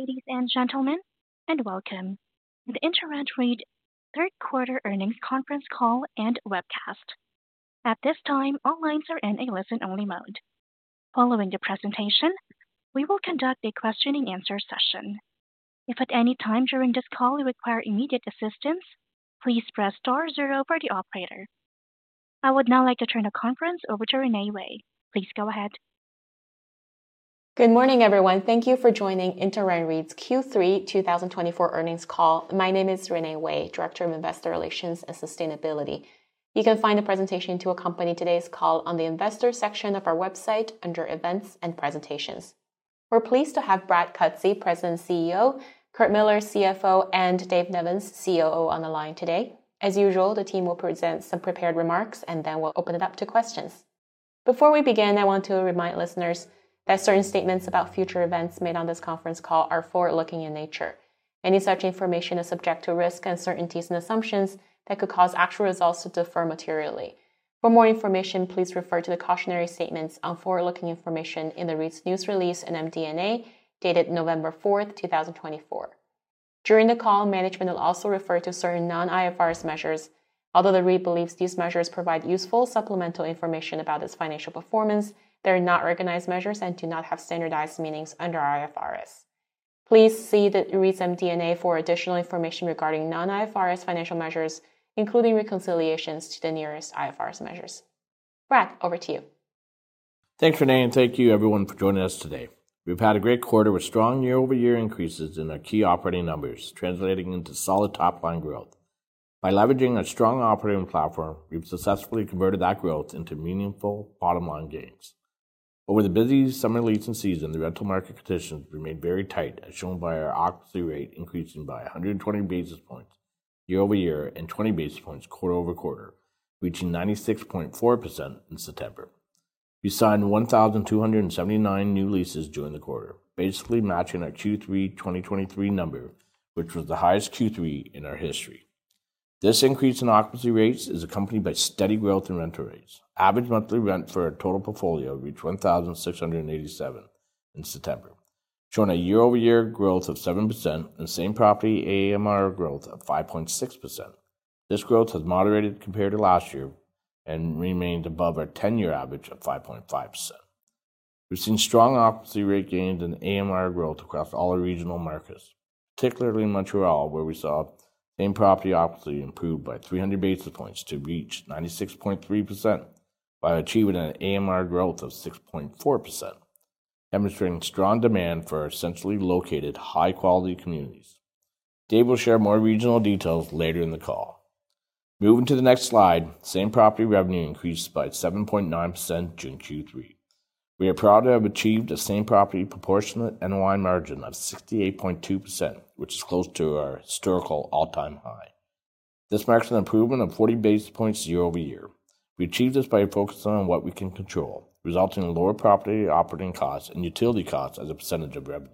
Ladies and gentlemen, and welcome to the InterRent REIT Third Quarter Earnings Conference Call and Webcast. At this time, all lines are in a listen-only mode. Following the presentation, we will conduct a question-and-answer session. If at any time during this call you require immediate assistance, please press star zero for the operator. I would now like to turn the conference over to Renee Wei. Please go ahead. Good morning, everyone. Thank you for joining InterRent REIT's Q3 2024 earnings call. My name is Renee Wei, Director of Investor Relations and Sustainability. You can find the presentation to accompany today's call on the Investor section of our website under Events and Presentations. We're pleased to have Brad Cutsey, President and CEO; Curt Millar, CFO; and Dave Nevins, COO, on the line today. As usual, the team will present some prepared remarks, and then we'll open it up to questions. Before we begin, I want to remind listeners that certain statements about future events made on this conference call are forward-looking in nature. Any such information is subject to risks, uncertainties and assumptions that could cause actual results to differ materially. For more information, please refer to the cautionary statements on forward-looking information in the REIT's News Release and MD&A dated November 4th, 2024. During the call, management will also refer to certain non-IFRS measures. Although the REIT believes these measures provide useful supplemental information about its financial performance, they are not recognized measures and do not have standardized meanings under IFRS. Please see the REIT's MD&A for additional information regarding non-IFRS financial measures, including reconciliations to the nearest IFRS measures. Brad, over to you. Thanks, Renee, and thank you, everyone, for joining us today. We've had a great quarter with strong year-over-year increases in our key operating numbers, translating into solid top-line growth. By leveraging our strong operating platform, we've successfully converted that growth into meaningful bottom-line gains. Over the busy summer leasing season, the rental market conditions remained very tight, as shown by our occupancy rate increasing by 120 basis points year-over-year and 20 basis points quarter-over-quarter, reaching 96.4% in September. We signed 1,279 new leases during the quarter, basically matching our Q3 2023 number, which was the highest Q3 in our history. This increase in occupancy rates is accompanied by steady growth in rental rates. Average monthly rent for our total portfolio reached 1,687 in September, showing a year-over-year growth of 7% and same property AMR growth of 5.6%. This growth has moderated compared to last year and remained above our 10-year average of 5.5%. We've seen strong occupancy rate gains and AMR growth across all our regional markets, particularly in Montreal, where we saw same property occupancy improve by 300 basis points to reach 96.3% while achieving an AMR growth of 6.4%, demonstrating strong demand for centrally located, high-quality communities. Dave will share more regional details later in the call. Moving to the next slide, same property revenue increased by 7.9% during Q3. We are proud to have achieved a same property proportionate NOI margin of 68.2%, which is close to our historical all-time high. This marks an improvement of 40 basis points year-over-year. We achieved this by focusing on what we can control, resulting in lower property operating costs and utility costs as a percentage of revenue.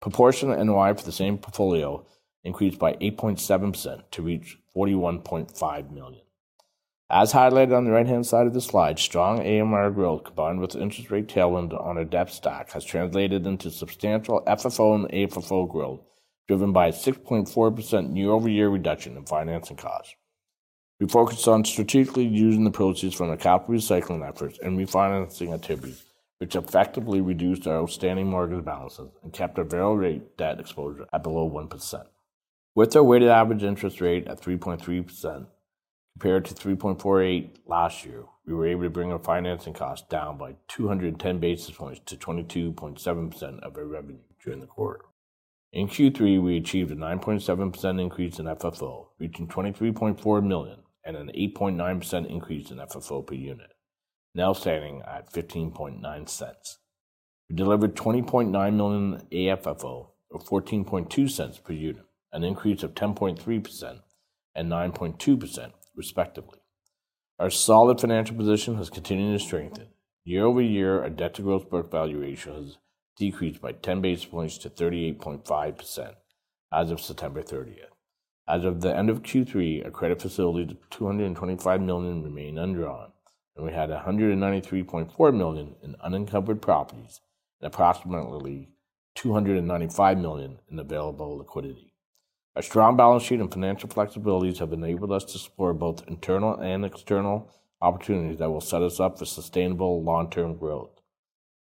Proportionate NOI for the same portfolio increased by 8.7% to 41.5 million. As highlighted on the right-hand side of the slide, strong AMR growth combined with interest rate tailwinds on our debt stock has translated into substantial FFO and AFFO growth, driven by a 6.4% year-over-year reduction in financing costs. We focused on strategically using the proceeds from our capital recycling efforts and refinancing activities, which effectively reduced our outstanding mortgage balances and kept our variable-rate debt exposure at below 1%. With our weighted average interest rate at 3.3% compared to 3.48% last year, we were able to bring our financing costs down by 210 basis points to 22.7% of our revenue during the quarter. In Q3, we achieved a 9.7% increase in FFO, reaching 23.4 million, and an 8.9% increase in FFO per unit, now standing at 0.159. We delivered 20.9 million in AFFO, or 0.142 per unit, an increase of 10.3% and 9.2%, respectively. Our solid financial position has continued to strengthen. Year-over-year, our debt-to-gross book value ratio has decreased by 10 basis points to 38.5% as of September 30th. As of the end of Q3, our credit facilities of 225 million remained undrawn, and we had 193.4 million dollars in unencumbered properties and approximately 295 million in available liquidity. Our strong balance sheet and financial flexibilities have enabled us to support both internal and external opportunities that will set us up for sustainable long-term growth.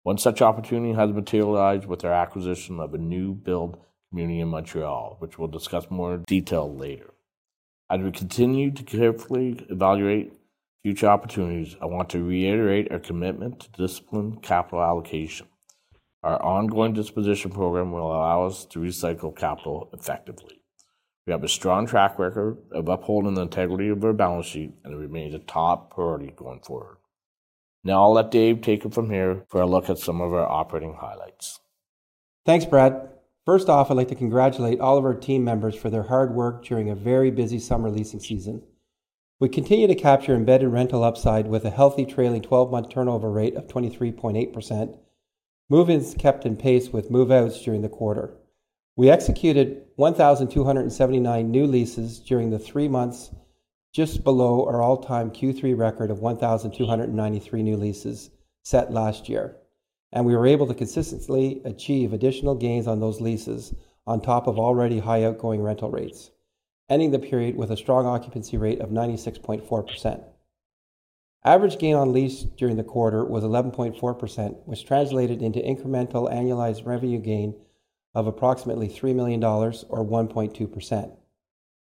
One such opportunity has materialized with our acquisition of a new-build community in Montreal, which we'll discuss in more detail later. As we continue to carefully evaluate future opportunities, I want to reiterate our commitment to disciplined capital allocation. Our ongoing disposition program will allow us to recycle capital effectively. We have a strong track record of upholding the integrity of our balance sheet, and it remains a top priority going forward. Now, I'll let Dave take it from here for a look at some of our operating highlights. Thanks, Brad. First off, I'd like to congratulate all of our team members for their hard work during a very busy summer leasing season. We continue to capture embedded rental upside with a healthy trailing 12-month turnover rate of 23.8%. Moving has kept in pace with move-outs during the quarter. We executed 1,279 new leases during the three months, just below our all-time Q3 record of 1,293 new leases set last year. And we were able to consistently achieve additional gains on those leases on top of already high outgoing rental rates, ending the period with a strong occupancy rate of 96.4%. Average gain on lease during the quarter was 11.4%, which translated into incremental annualized revenue gain of approximately 3 million dollars, or 1.2%.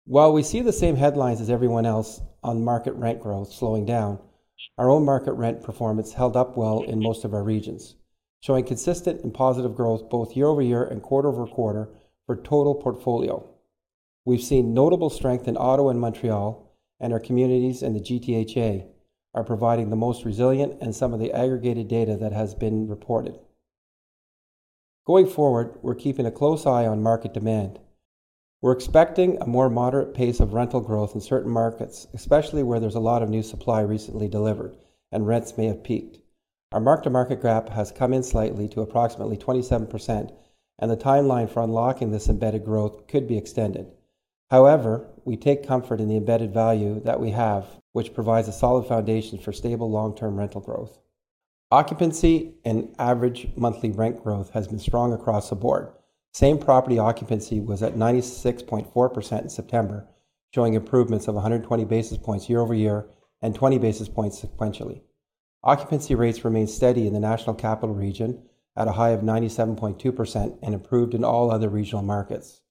While we see the same headlines as everyone else on market rent growth slowing down, our own market rent performance held up well in most of our regions, showing consistent and positive growth both year-over-year and quarter-over-quarter for total portfolio. We've seen notable strength in Ottawa and Montreal, and our communities and the GTHA are providing the most resilient and some of the aggregated data that has been reported. Going forward, we're keeping a close eye on market demand. We're expecting a more moderate pace of rental growth in certain markets, especially where there's a lot of new supply recently delivered, and rents may have peaked. Our mark-to-market gap has come in slightly to approximately 27%, and the timeline for unlocking this embedded growth could be extended. However, we take comfort in the embedded value that we have, which provides a solid foundation for stable long-term rental growth. Occupancy and average monthly rent growth has been strong across the board. Same property occupancy was at 96.4% in September, showing improvements of 120 basis points year-over-year and 20 basis points sequentially. Occupancy rates remained steady in the National Capital Region at a high of 97.2% and improved in all other regional markets.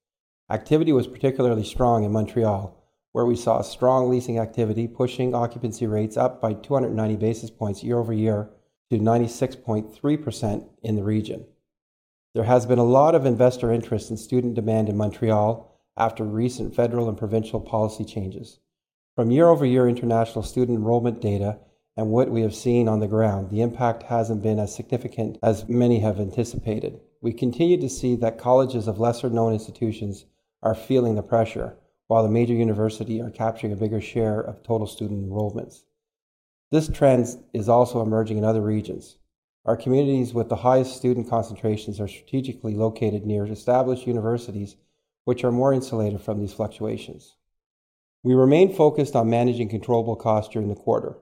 Activity was particularly strong in Montreal, where we saw strong leasing activity pushing occupancy rates up by 290 basis points year-over-year to 96.3% in the region. There has been a lot of investor interest in student demand in Montreal after recent federal and provincial policy changes. From year-over-year international student enrollment data and what we have seen on the ground, the impact hasn't been as significant as many have anticipated. We continue to see that colleges and lesser-known institutions are feeling the pressure, while the major universities are capturing a bigger share of total student enrollments. This trend is also emerging in other regions. Our communities with the highest student concentrations are strategically located near established universities, which are more insulated from these fluctuations. We remain focused on managing controllable costs during the quarter.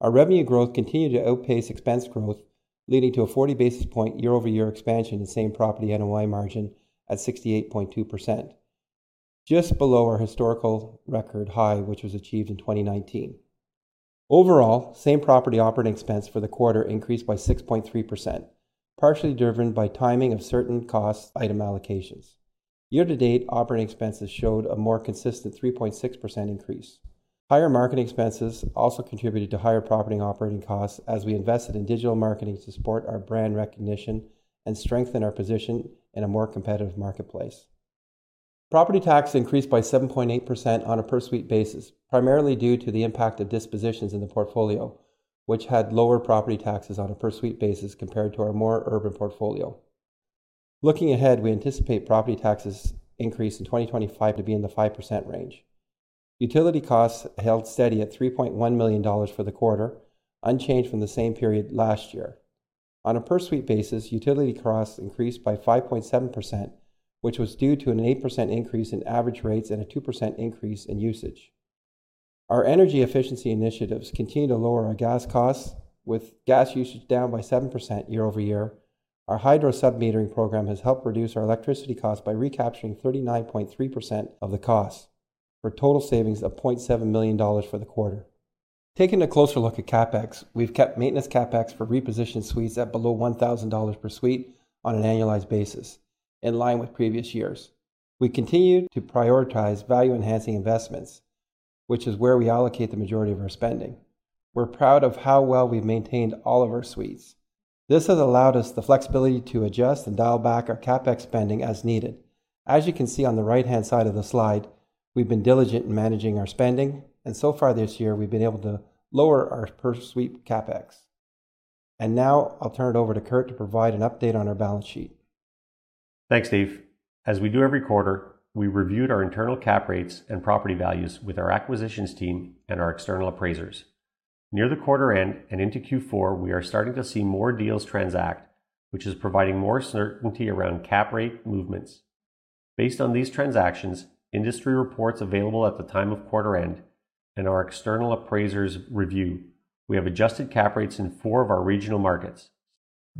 Our revenue growth continued to outpace expense growth, leading to a 40 basis point year-over-year expansion in same property NOI margin at 68.2%, just below our historical record high, which was achieved in 2019. Overall, same property operating expense for the quarter increased by 6.3%, partially driven by timing of certain cost item allocations. Year-to-date operating expenses showed a more consistent 3.6% increase. Higher marketing expenses also contributed to higher property operating costs as we invested in digital marketing to support our brand recognition and strengthen our position in a more competitive marketplace. Property taxes increased by 7.8% on a per-suite basis, primarily due to the impact of dispositions in the portfolio, which had lower property taxes on a per-suite basis compared to our more urban portfolio. Looking ahead, we anticipate property taxes increase in 2025 to be in the 5% range. Utility costs held steady at 3.1 million dollars for the quarter, unchanged from the same period last year. On a per-suite basis, utility costs increased by 5.7%, which was due to an 8% increase in average rates and a 2% increase in usage. Our energy efficiency initiatives continue to lower our gas costs, with gas usage down by 7% year-over-year. Our hydro submetering program has helped reduce our electricity costs by recapturing 39.3% of the cost, for a total savings of 0.7 million dollars for the quarter. Taking a closer look at CapEx, we've kept maintenance CapEx for repositioned suites at below 1,000 dollars per suite on an annualized basis, in line with previous years. We continue to prioritize value-enhancing investments, which is where we allocate the majority of our spending. We're proud of how well we've maintained all of our suites. This has allowed us the flexibility to adjust and dial back our CapEx spending as needed. As you can see on the right-hand side of the slide, we've been diligent in managing our spending, and so far this year, we've been able to lower our per-suite CapEx, and now, I'll turn it over to Curt to provide an update on our balance sheet. Thanks, Dave. As we do every quarter, we reviewed our internal cap rates and property values with our acquisitions team and our external appraisers. Near the quarter end and into Q4, we are starting to see more deals transact, which is providing more certainty around cap rate movements. Based on these transactions, industry reports available at the time of quarter end, and our external appraisers' review, we have adjusted cap rates in four of our regional markets.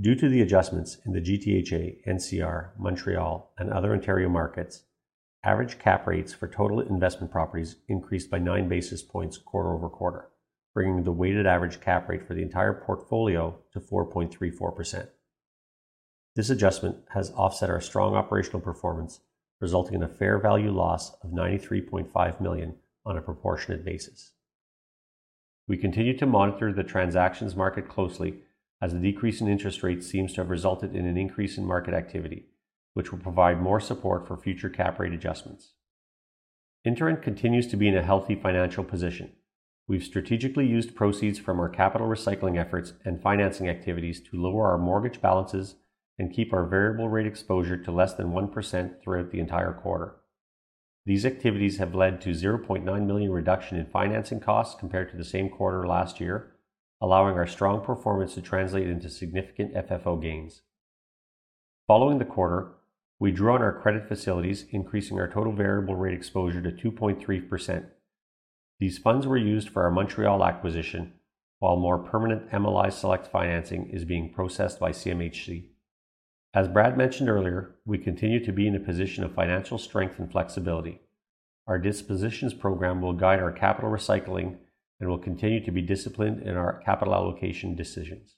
Due to the adjustments in the GTHA, NCR, Montreal, and other Ontario markets, average cap rates for total investment properties increased by nine basis points quarter-over-quarter, bringing the weighted average cap rate for the entire portfolio to 4.34%. This adjustment has offset our strong operational performance, resulting in a fair value loss of 93.5 million on a proportionate basis. We continue to monitor the transactions market closely as the decrease in interest rates seems to have resulted in an increase in market activity, which will provide more support for future cap rate adjustments. InterRent continues to be in a healthy financial position. We've strategically used proceeds from our capital recycling efforts and financing activities to lower our mortgage balances and keep our variable-rate exposure to less than 1% throughout the entire quarter. These activities have led to a 0.9 million reduction in financing costs compared to the same quarter last year, allowing our strong performance to translate into significant FFO gains. Following the quarter, we drew on our credit facilities, increasing our total variable-rate exposure to 2.3%. These funds were used for our Montreal acquisition, while more permanent MLI Select financing is being processed by CMHC. As Brad mentioned earlier, we continue to be in a position of financial strength and flexibility. Our dispositions program will guide our capital recycling and will continue to be disciplined in our capital allocation decisions.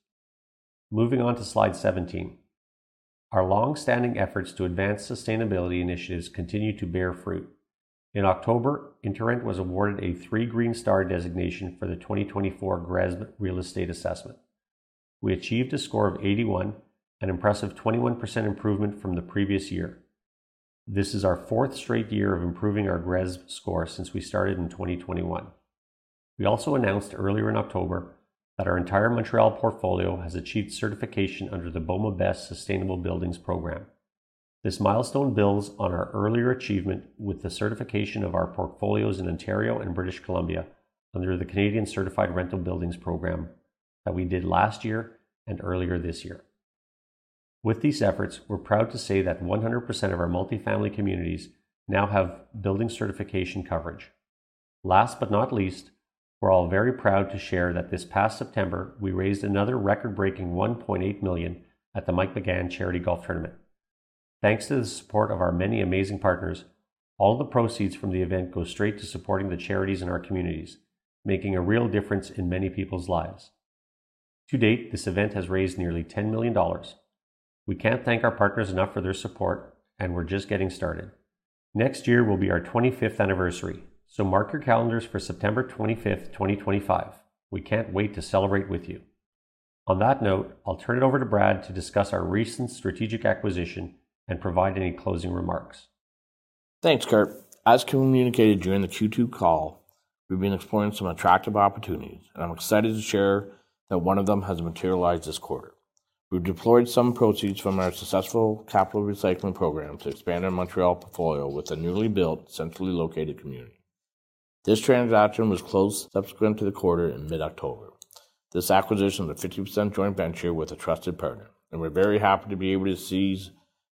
Moving on to slide 17, our long-standing efforts to advance sustainability initiatives continue to bear fruit. In October, InterRent was awarded a three Green Star designation for the 2024 GRESB Real Estate Assessment. We achieved a score of 81, an impressive 21% improvement from the previous year. This is our fourth straight year of improving our GRESB score since we started in 2021. We also announced earlier in October that our entire Montreal portfolio has achieved certification under the BOMA BEST Sustainable Buildings Program. This milestone builds on our earlier achievement with the certification of our portfolios in Ontario and British Columbia under the Canadian Certified Rental Buildings Program that we did last year and earlier this year. With these efforts, we're proud to say that 100% of our multifamily communities now have building certification coverage. Last but not least, we're all very proud to share that this past September, we raised another record-breaking 1.8 million at the Mike McGahan Charity Golf Tournament. Thanks to the support of our many amazing partners, all the proceeds from the event go straight to supporting the charities in our communities, making a real difference in many people's lives. To date, this event has raised nearly 10 million dollars. We can't thank our partners enough for their support, and we're just getting started. Next year will be our 25th anniversary, so mark your calendars for September 25th, 2025. We can't wait to celebrate with you. On that note, I'll turn it over to Brad to discuss our recent strategic acquisition and provide any closing remarks. Thanks, Curt. As communicated during the Q2 call, we've been exploring some attractive opportunities, and I'm excited to share that one of them has materialized this quarter. We've deployed some proceeds from our successful capital recycling program to expand our Montreal portfolio with a newly built, centrally located community. This transaction was closed subsequent to the quarter in mid-October. This acquisition is a 50% joint venture with a trusted partner, and we're very happy to be able to seize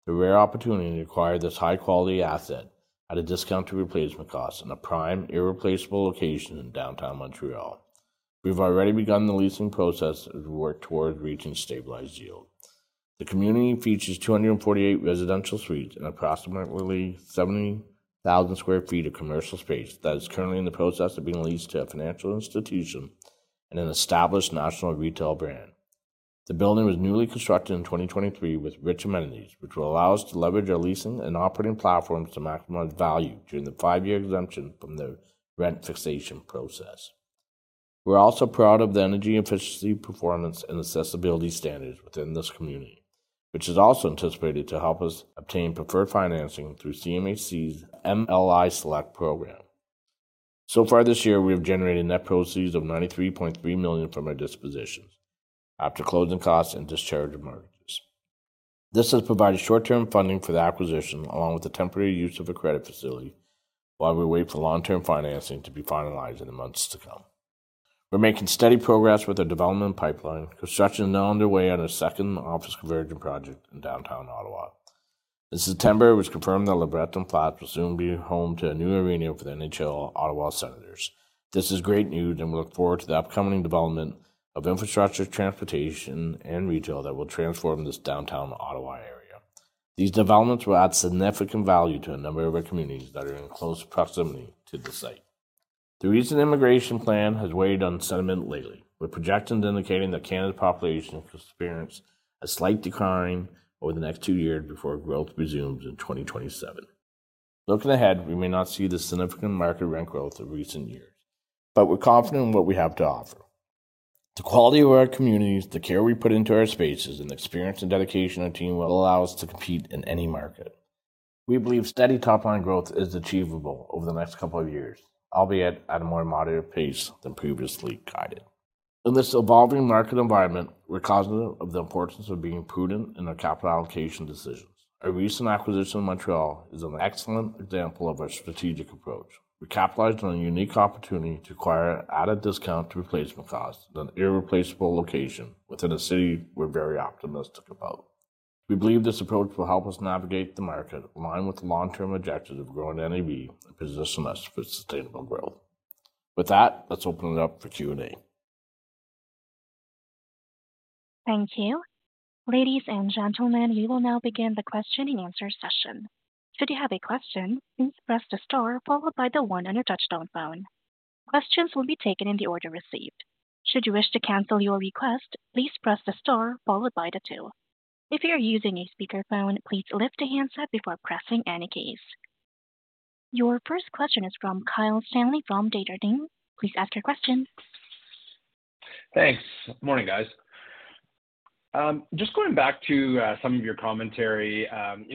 the rare opportunity to acquire this high-quality asset at a discounted replacement cost in a prime, irreplaceable location in downtown Montreal. We've already begun the leasing process as we work towards reaching stabilized yield. The community features 248 residential suites and approximately 70,000 sq ft of commercial space that is currently in the process of being leased to a financial institution and an established national retail brand. The building was newly constructed in 2023 with rich amenities, which will allow us to leverage our leasing and operating platforms to maximize value during the five-year exemption from the rent fixation process. We're also proud of the energy efficiency performance and accessibility standards within this community, which is also anticipated to help us obtain preferred financing through CMHC's MLI Select Program. So far this year, we have generated net proceeds of 93.3 million from our dispositions after closing costs and discharge of mortgages. This has provided short-term funding for the acquisition, along with the temporary use of a credit facility while we wait for long-term financing to be finalized in the months to come. We're making steady progress with our development pipeline. Construction is now underway on our second office conversion project in downtown Ottawa. In September, it was confirmed that LeBreton Flats will soon be home to a new arena for the NHL Ottawa Senators. This is great news, and we look forward to the upcoming development of infrastructure, transportation, and retail that will transform this downtown Ottawa area. These developments will add significant value to a number of our communities that are in close proximity to the site. The recent immigration plan has weighed on sentiment lately, with projections indicating that Canada's population experiences a slight decline over the next two years before growth resumes in 2027. Looking ahead, we may not see the significant market rent growth of recent years, but we're confident in what we have to offer. The quality of our communities, the care we put into our spaces, and the experience and dedication of our team will allow us to compete in any market. We believe steady top-line growth is achievable over the next couple of years, albeit at a more moderate pace than previously guided. In this evolving market environment, we're cognizant of the importance of being prudent in our capital allocation decisions. Our recent acquisition in Montreal is an excellent example of our strategic approach. We capitalized on a unique opportunity to acquire at a discounted replacement cost at an irreplaceable location within a city we're very optimistic about. We believe this approach will help us navigate the market, align with the long-term objectives of growing NAV and position us for sustainable growth. With that, let's open it up for Q&A. Thank you. Ladies and gentlemen, we will now begin the question-and-answer session. Should you have a question, please press the star followed by the one on your touch-tone phone. Questions will be taken in the order received. Should you wish to cancel your request, please press the star followed by the two. If you're using a speakerphone, please lift a handset before pressing any keys. Your first question is from Kyle Stanley from Desjardins. Please ask your question. Thanks. Good morning, guys. Just going back to some of your commentary,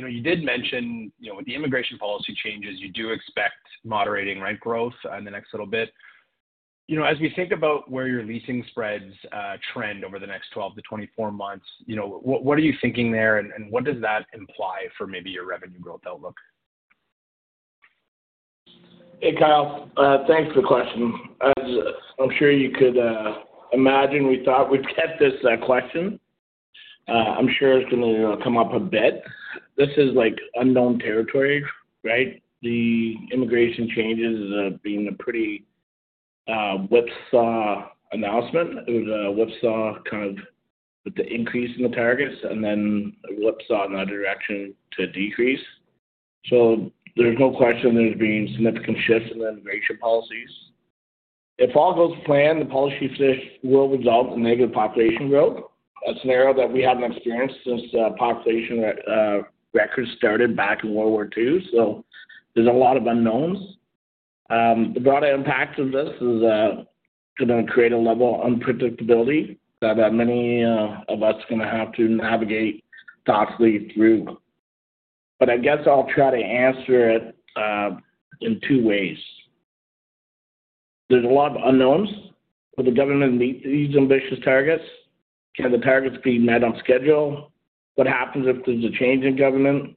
you did mention with the immigration policy changes, you do expect moderating rent growth in the next little bit. As we think about where your leasing spreads trend over the next 12-24 months, what are you thinking there, and what does that imply for maybe your revenue growth outlook? Hey, Kyle. Thanks for the question. As I'm sure you could imagine, we thought we'd get this question. I'm sure it's going to come up a bit. This is like unknown territory, right? The immigration changes being a pretty whipsaw announcement. It was a whipsaw kind of with the increase in the targets and then a whipsaw in the other direction to decrease. So there's no question there's been significant shifts in the immigration policies. If all goes planned, the policy shifts will result in negative population growth. That's an area that we haven't experienced since population records started back in World War II. So there's a lot of unknowns. The broader impact of this is going to create a level of unpredictability that many of us are going to have to navigate thoughtfully through. But I guess I'll try to answer it in two ways. There's a lot of unknowns. Will the government meet these ambitious targets? Can the targets be met on schedule? What happens if there's a change in government?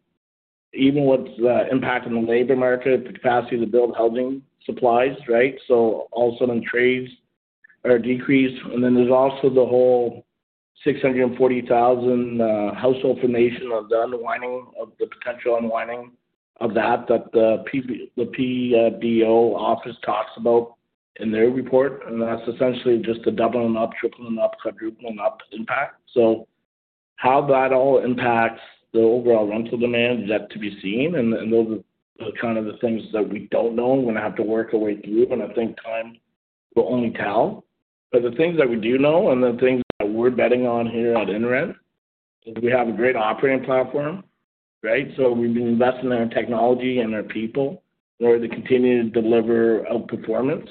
Even with the impact on the labor market, the capacity to build housing supplies, right? So all of a sudden, trades are decreased. And then there's also the whole 640,000 household formation of the unwinding of the potential unwinding of that that the PBO office talks about in their report. And that's essentially just the doubling up, tripling up, quadrupling up impact. So how that all impacts the overall rental demand is yet to be seen. And those are kind of the things that we don't know. We're going to have to work our way through, and I think time will only tell. But the things that we do know and the things that we're betting on here at InterRent is we have a great operating platform, right? So we've been investing in our technology and our people in order to continue to deliver outperformance.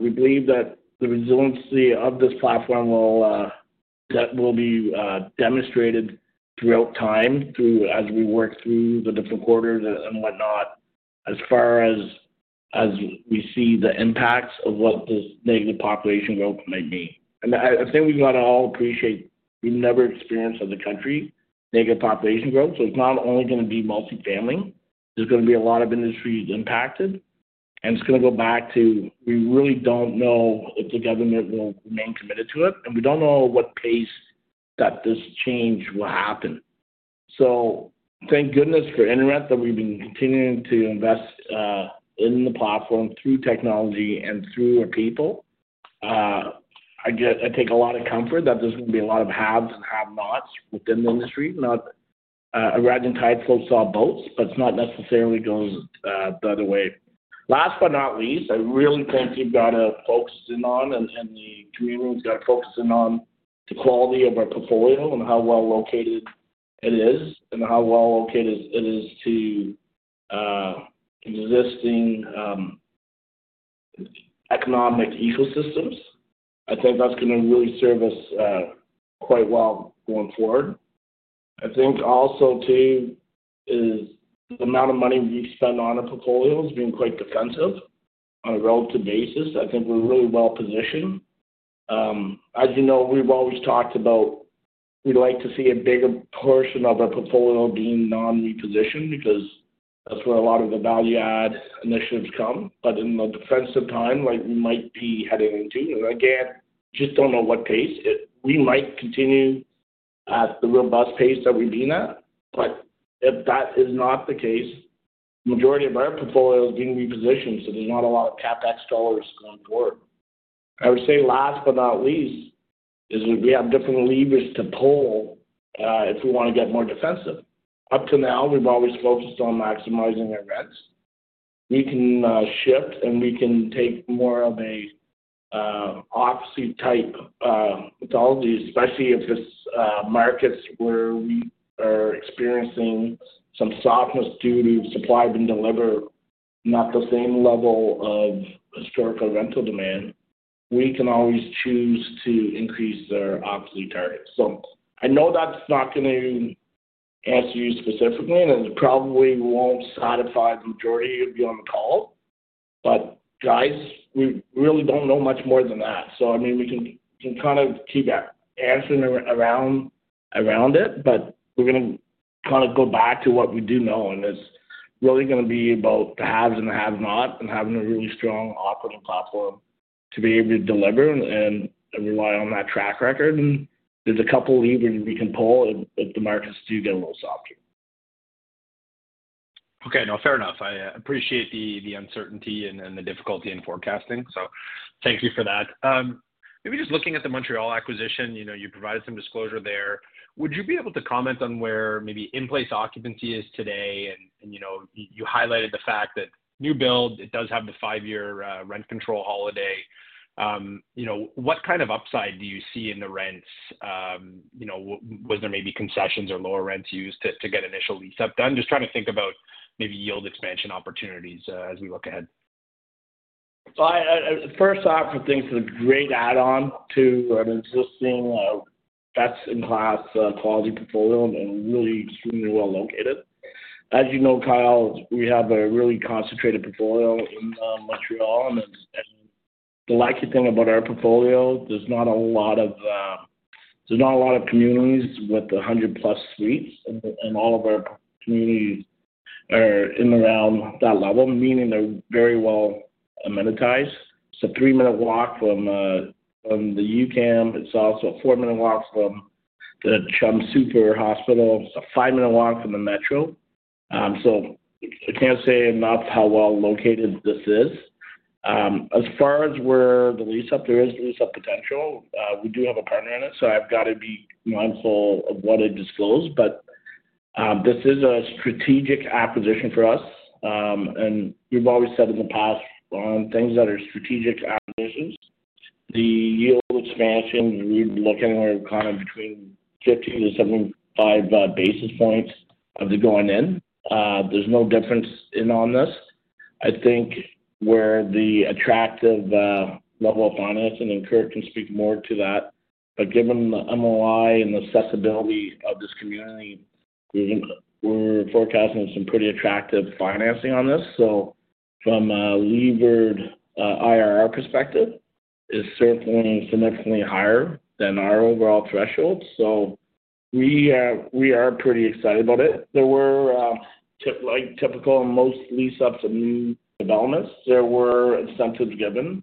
We believe that the resiliency of this platform will be demonstrated throughout time as we work through the different quarters and whatnot as far as we see the impacts of what this negative population growth may be. And I think we've got to all appreciate we've never experienced as a country negative population growth. So it's not only going to be multifamily. There's going to be a lot of industries impacted. And it's going to go back to we really don't know if the government will remain committed to it. And we don't know what pace that this change will happen. So thank goodness for InterRent that we've been continuing to invest in the platform through technology and through our people. I take a lot of comfort that there's going to be a lot of haves and have-nots within the industry. A rising tide lifts all boats, but it's not necessarily goes the other way. Last but not least, I really think we've got to focus in on, and the community's got to focus in on the quality of our portfolio and how well located it is and how well located it is to existing economic ecosystems. I think that's going to really serve us quite well going forward. I think also too is the amount of money we spend on our portfolio has been quite defensive on a relative basis. I think we're really well positioned. As you know, we've always talked about we'd like to see a bigger portion of our portfolio being non-repositioned because that's where a lot of the value-add initiatives come. But in the defensive time like we might be heading into, and again, just don't know what pace, we might continue at the robust pace that we've been at. But if that is not the case, the majority of our portfolio is being repositioned, so there's not a lot of CapEx dollars going forward. I would say last but not least is we have different levers to pull if we want to get more defensive. Up to now, we've always focused on maximizing our rents. We can shift, and we can take more of an offset type with all these, especially if it's markets where we are experiencing some softness due to supply being delivered, not the same level of historical rental demand. We can always choose to increase our occupancy targets. So I know that's not going to answer you specifically, and it probably won't satisfy the majority of you on the call. But guys, we really don't know much more than that. So I mean, we can kind of keep answering around it, but we're going to kind of go back to what we do know. And it's really going to be about the haves and the have-nots and having a really strong operating platform to be able to deliver and rely on that track record. And there's a couple of levers we can pull if the markets do get a little softer. Okay. No, fair enough. I appreciate the uncertainty and the difficulty in forecasting. So thank you for that. Maybe just looking at the Montreal acquisition, you provided some disclosure there. Would you be able to comment on where maybe in-place occupancy is today? And you highlighted the fact that new build, it does have the five-year rent control holiday. What kind of upside do you see in the rents? Was there maybe concessions or lower rents used to get initial lease-up done? Just trying to think about maybe yield expansion opportunities as we look ahead. First off, I think it's a great add-on to an existing best-in-class quality portfolio and really extremely well located. As you know, Kyle, we have a really concentrated portfolio in Montreal. And the likely thing about our portfolio, there's not a lot of communities with 100+ suites. And all of our communities are in and around that level, meaning they're very well amenitized. It's a three-minute walk from the UQAM. It's also a four-minute walk from the CHUM Super Hospital. It's a five-minute walk from the metro. So I can't say enough how well located this is. As far as where the lease-up, there is lease-up potential. We do have a partner in it, so I've got to be mindful of what it discloses. But this is a strategic acquisition for us. We've always said in the past, on things that are strategic acquisitions, the yield expansion, we're looking at kind of between 50-75 basis points of the going in. There's no difference on this. I think, where the attractive level of financing and Curt can speak more to that. Given the NOI and the accessibility of this community, we're forecasting some pretty attractive financing on this. From a levered IRR perspective, it's certainly significantly higher than our overall threshold. We are pretty excited about it. There were typical most lease-ups of new developments. There were incentives given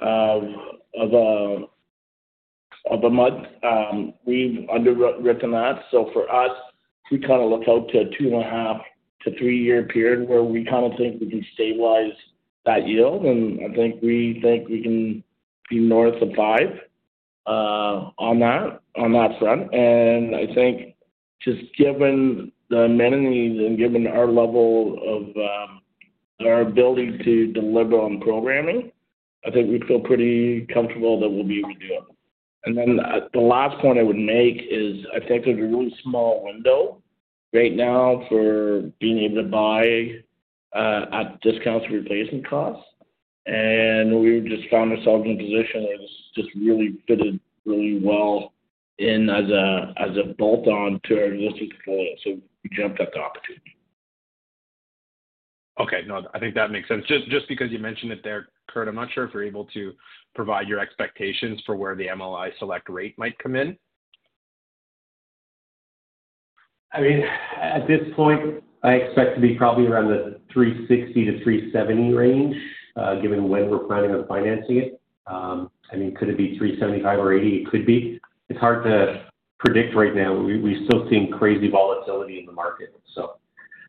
of a month. We've underwritten that. For us, we kind of look out to a two-and-a-half to three-year period where we kind of think we can stabilize that yield. I think we think we can be north of five on that front. And I think just given the amenities and given our level of our ability to deliver on programming, I think we feel pretty comfortable that we'll be able to do it. And then the last point I would make is I think there's a really small window right now for being able to buy at discounts replacement costs. And we just found ourselves in a position where this just really fitted really well in as a bolt-on to our existing portfolio. So we jumped at the opportunity. Okay. No, I think that makes sense. Just because you mentioned it there, Curt, I'm not sure if you're able to provide your expectations for where the MLI Select rate might come in. I mean, at this point, I expect to be probably around the 360-370 range given when we're planning on financing it. I mean, could it be 375 or 380? It could be. It's hard to predict right now. We're still seeing crazy volatility in the market. So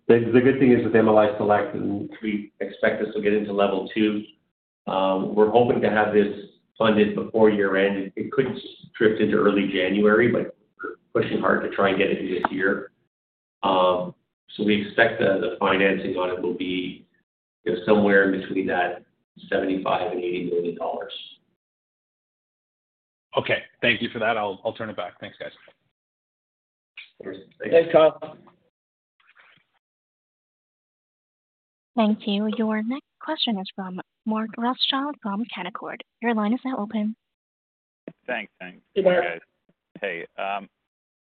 the good thing is with MLI Select and we expect this to get into level two. We're hoping to have this funded before year-end. It could drift into early January, but we're pushing hard to try and get it this year. So we expect the financing on it will be somewhere in between that 75-80 million dollars. Okay. Thank you for that. I'll turn it back. Thanks, guys. Thanks, Kyle. Thank you. Your next question is from Mark Rothschild from Canaccord. Your line is now open. Thanks. Thanks. Hey, Mark. Hey.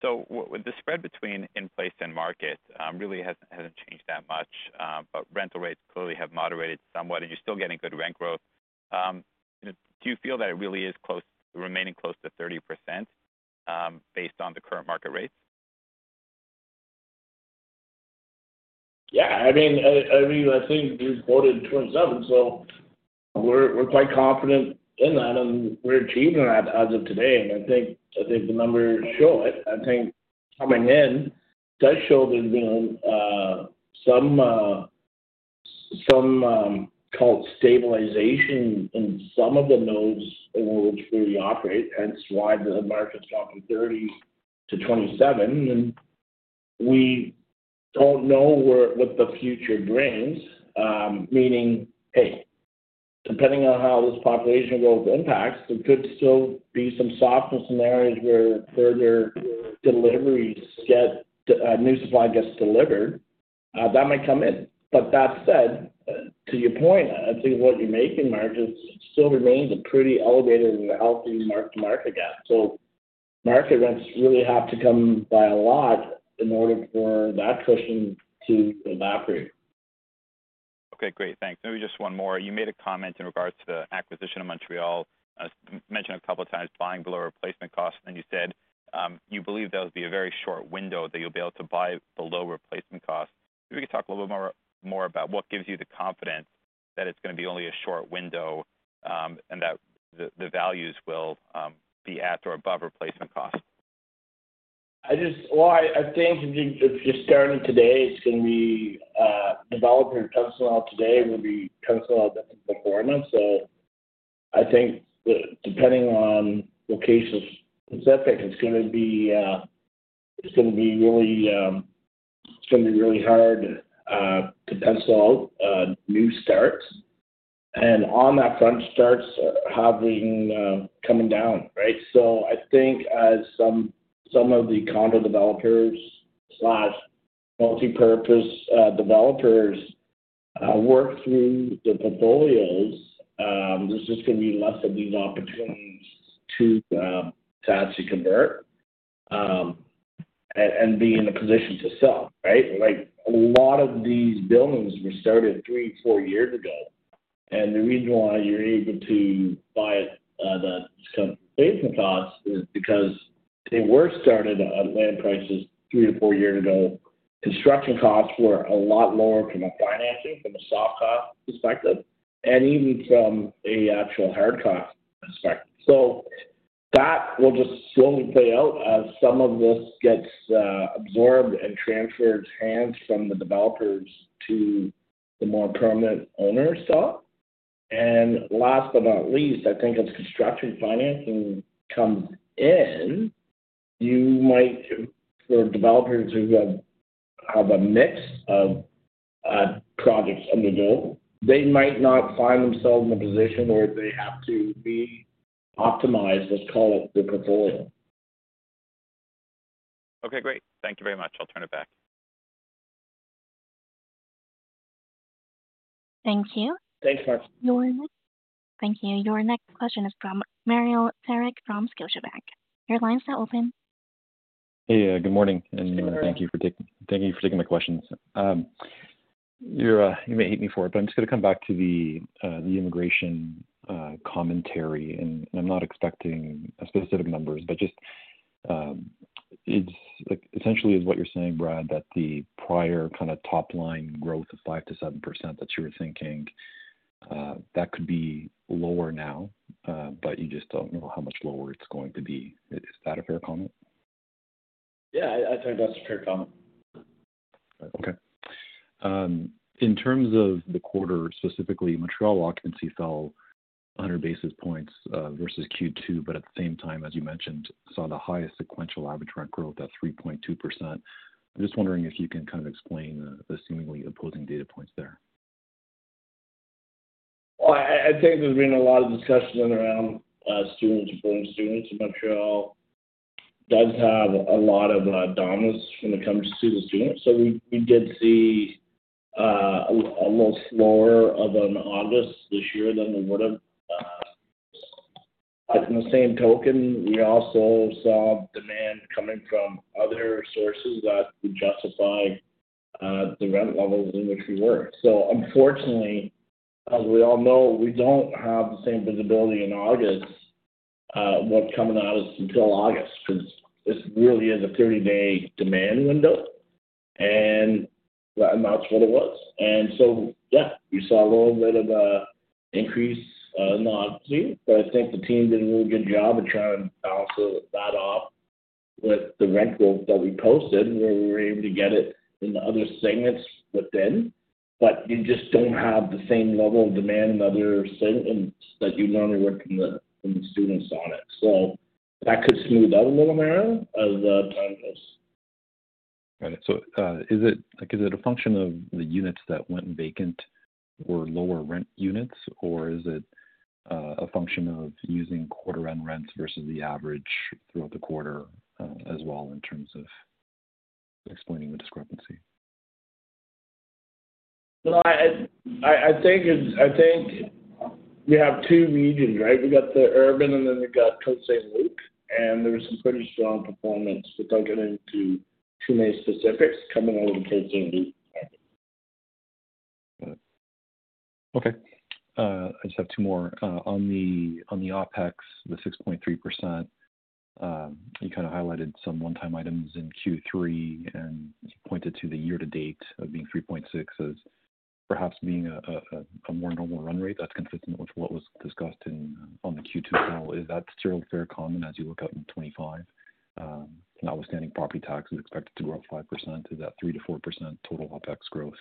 So the spread between in-place and market really hasn't changed that much. But rental rates clearly have moderated somewhat, and you're still getting good rent growth. Do you feel that it really is remaining close to 30% based on the current market rates? Yeah. I mean, I think we've boarded 27. So we're quite confident in that, and we're achieving that as of today. And I think the numbers show it. I think coming in does show there's been some stabilization in some of the nodes in which we operate. Hence why the market's gone from 30-27. And we don't know what the future brings, meaning, hey, depending on how this population growth impacts, there could still be some softness in areas where further deliveries get new supply delivered. That might come in. But that said, to your point, I think what you're making, Mark, is still remains a pretty elevated and healthy market gap. So market rents really have to come by a lot in order for that cushion to evaporate. Okay. Great. Thanks. Maybe just one more. You made a comment in regards to the acquisition of Montreal. You mentioned a couple of times buying below replacement costs. And then you said you believe there'll be a very short window that you'll be able to buy below replacement costs. Maybe we could talk a little bit more about what gives you the confidence that it's going to be only a short window and that the values will be at or above replacement cost? I think if you're starting today, it's going to be developing or penciling out. Today will be penciling out different performance. I think depending on location specific, it's going to be really hard to pencil out new starts. On that front, starts coming down, right? I think as some of the condo developers/multipurpose developers work through the portfolios, there's just going to be less of these opportunities to actually convert and be in a position to sell, right? A lot of these buildings were started three, four years ago. The reason why you're able to buy at the replacement costs is because they were started at land prices three to four years ago. Construction costs were a lot lower from a financing, soft cost perspective, and even from an actual hard cost perspective. So that will just slowly play out as some of this gets absorbed and changes hands from the developers to the more permanent owners' stuff. And last but not least, I think as construction financing comes in, for developers who have a mix of projects underway, they might not find themselves in a position where they have to be optimized, let's call it, their portfolio. Okay. Great. Thank you very much. I'll turn it back. Thank you. Thanks, Mark. Your next question, thank you. Your next question is from Mario Saric from Scotiabank. Your line is now open. Hey, good morning. And thank you for taking my questions. You may hate me for it, but I'm just going to come back to the immigration commentary. And I'm not expecting specific numbers, but just essentially is what you're saying, Brad, that the prior kind of top-line growth of 5%-7% that you were thinking, that could be lower now, but you just don't know how much lower it's going to be. Is that a fair comment? Yeah. I think that's a fair comment. Okay. In terms of the quarter, specifically, Montreal occupancy fell 100 basis points versus Q2, but at the same time, as you mentioned, saw the highest sequential average rent growth at 3.2%. I'm just wondering if you can kind of explain the seemingly opposing data points there? Well, I think there's been a lot of discussion around students. Our firm in Montreal does have a lot of dominance when it comes to the students. So we did see a little slower in August this year than we would have. But in the same token, we also saw demand coming from other sources that would justify the rent levels in which we were. So unfortunately, as we all know, we don't have the same visibility into August as to what's coming out from summer till August because this really is a 30-day demand window. And that's what it was. And so, yeah, we saw a little bit of an increase in the occupancy. But I think the team did a really good job of trying to balance that off with the rent growth that we posted where we were able to get it in other segments within. But you just don't have the same level of demand in other segments that you normally would from the students on it. So that could smooth out a little narrower as time goes. Got it. So is it a function of the units that went vacant were lower rent units, or is it a function of using quarter-end rents versus the average throughout the quarter as well in terms of explaining the discrepancy? No, I think we have two regions, right? We got the urban, and then we got Côte Saint-Luc. And there was some pretty strong performance. Without getting into too many specifics, coming out of the Côte Saint-Luc market. Got it. Okay. I just have two more. On the OpEx, the 6.3%, you kind of highlighted some one-time items in Q3 and pointed to the year-to-date of being 3.6% as perhaps being a more normal run rate that's consistent with what was discussed on the Q2 panel. Is that still fair comment as you look out in 2025? Outstanding property tax is expected to grow 5%. Is that 3%-4% total OpEx growth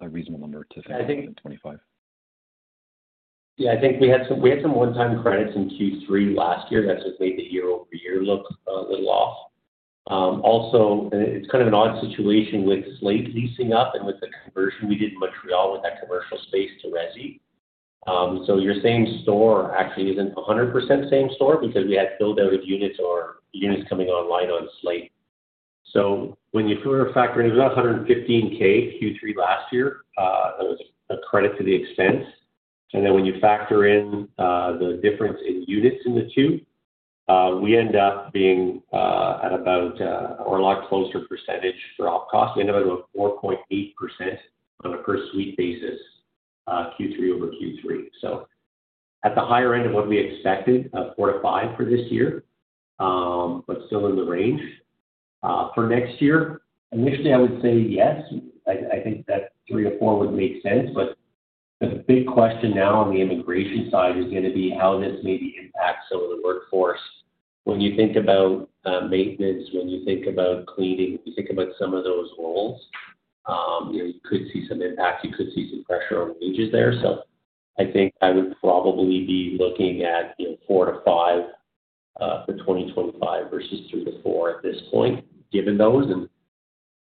a reasonable number to think about in 2025? Yeah. I think we had some one-time credits in Q3 last year that just made the year-over-year look a little off. Also, it's kind of an odd situation with Slayte leasing up and with the conversion we did in Montreal with that commercial space to resi. So your same store actually isn't 100% same store because we had build-out of units or units coming online on Slayte. So when you factor in about 115,000 Q3 last year, that was a credit to the expense. And then when you factor in the difference in units in the two, we end up being at about a lot closer percentage for op cost. We end up at about 4.8% on a per-suite basis Q3 over Q3. So at the higher end of what we expected, 4%-5% for this year, but still in the range. For next year, initially, I would say yes. I think that 3 or 4 would make sense. But the big question now on the immigration side is going to be how this maybe impacts some of the workforce. When you think about maintenance, when you think about cleaning, when you think about some of those roles, you could see some impact. You could see some pressure on wages there. So I think I would probably be looking at 4-5 for 2025 versus 3-4 at this point, given those. And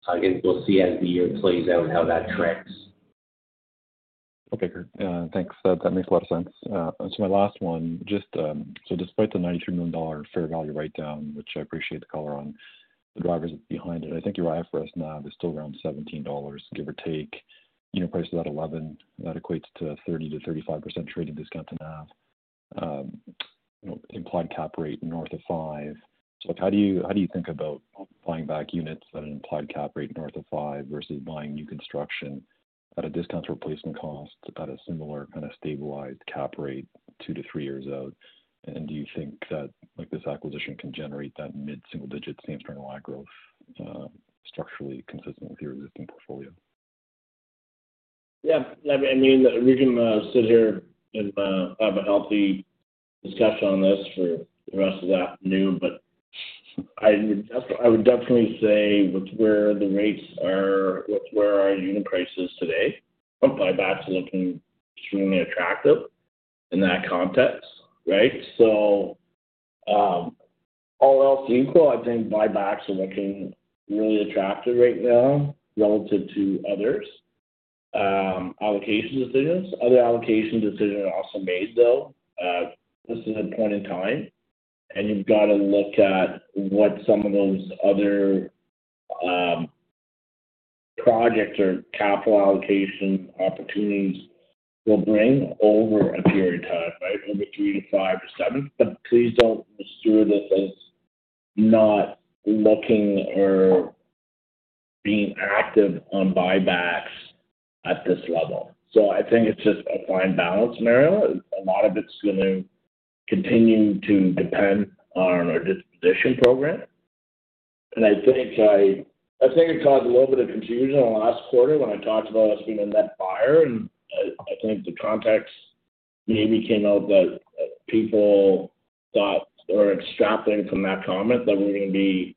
again, we'll see as the year plays out how that tracks. Okay. Great. Thanks. That makes a lot of sense. So my last one, just so despite the 93 million dollar fair value write-down, which I appreciate the color on the drivers behind it, I think your NAV now is still around 17 dollars, give or take. Unit price is at 11. That equates to a 30%-35% trading discount to NAV, implied cap rate north of 5%. So how do you think about buying back units at an implied cap rate north of 5% versus buying new construction at a discount to replacement cost at a similar kind of stabilized cap rate two to three years out? And do you think that this acquisition can generate that mid-single-digit same-store NOI growth structurally consistent with your existing portfolio? Yeah. I mean, the region stood here and had a healthy discussion on this for the rest of the afternoon. But I would definitely say with where the rates are, with where our unit prices today, buybacks are looking extremely attractive in that context, right? So all else equal, I think buybacks are looking really attractive right now relative to other allocation decisions. Other allocation decisions are also made, though. This is a point in time. And you've got to look at what some of those other projects or capital allocation opportunities will bring over a period of time, right? Over three to five to seven. But please don't mistake this as not looking or being active on buybacks at this level. So I think it's just a fine balance scenario. A lot of it's going to continue to depend on our disposition program. And I think it caused a little bit of confusion in the last quarter when I talked about us being a net buyer. And I think the context maybe came out that people thought or extrapolated from that comment that we're going to be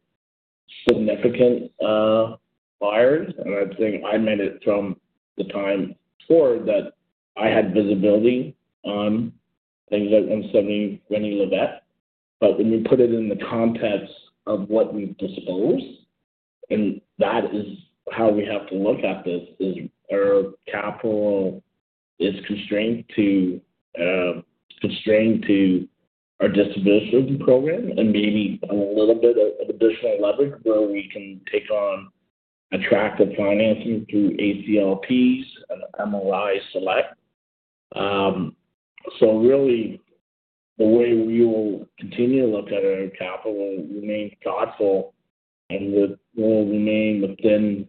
significant buyers. And I think I made it from the time forward that I had visibility on things like 170 René-Lévesque. But when you put it in the context of what we dispose, and that is how we have to look at this, our capital is constrained to our disposition program and maybe a little bit of additional leverage where we can take on attractive financing through ACLPs and MLI Select. So really, the way we will continue to look at our capital will remain thoughtful and will remain within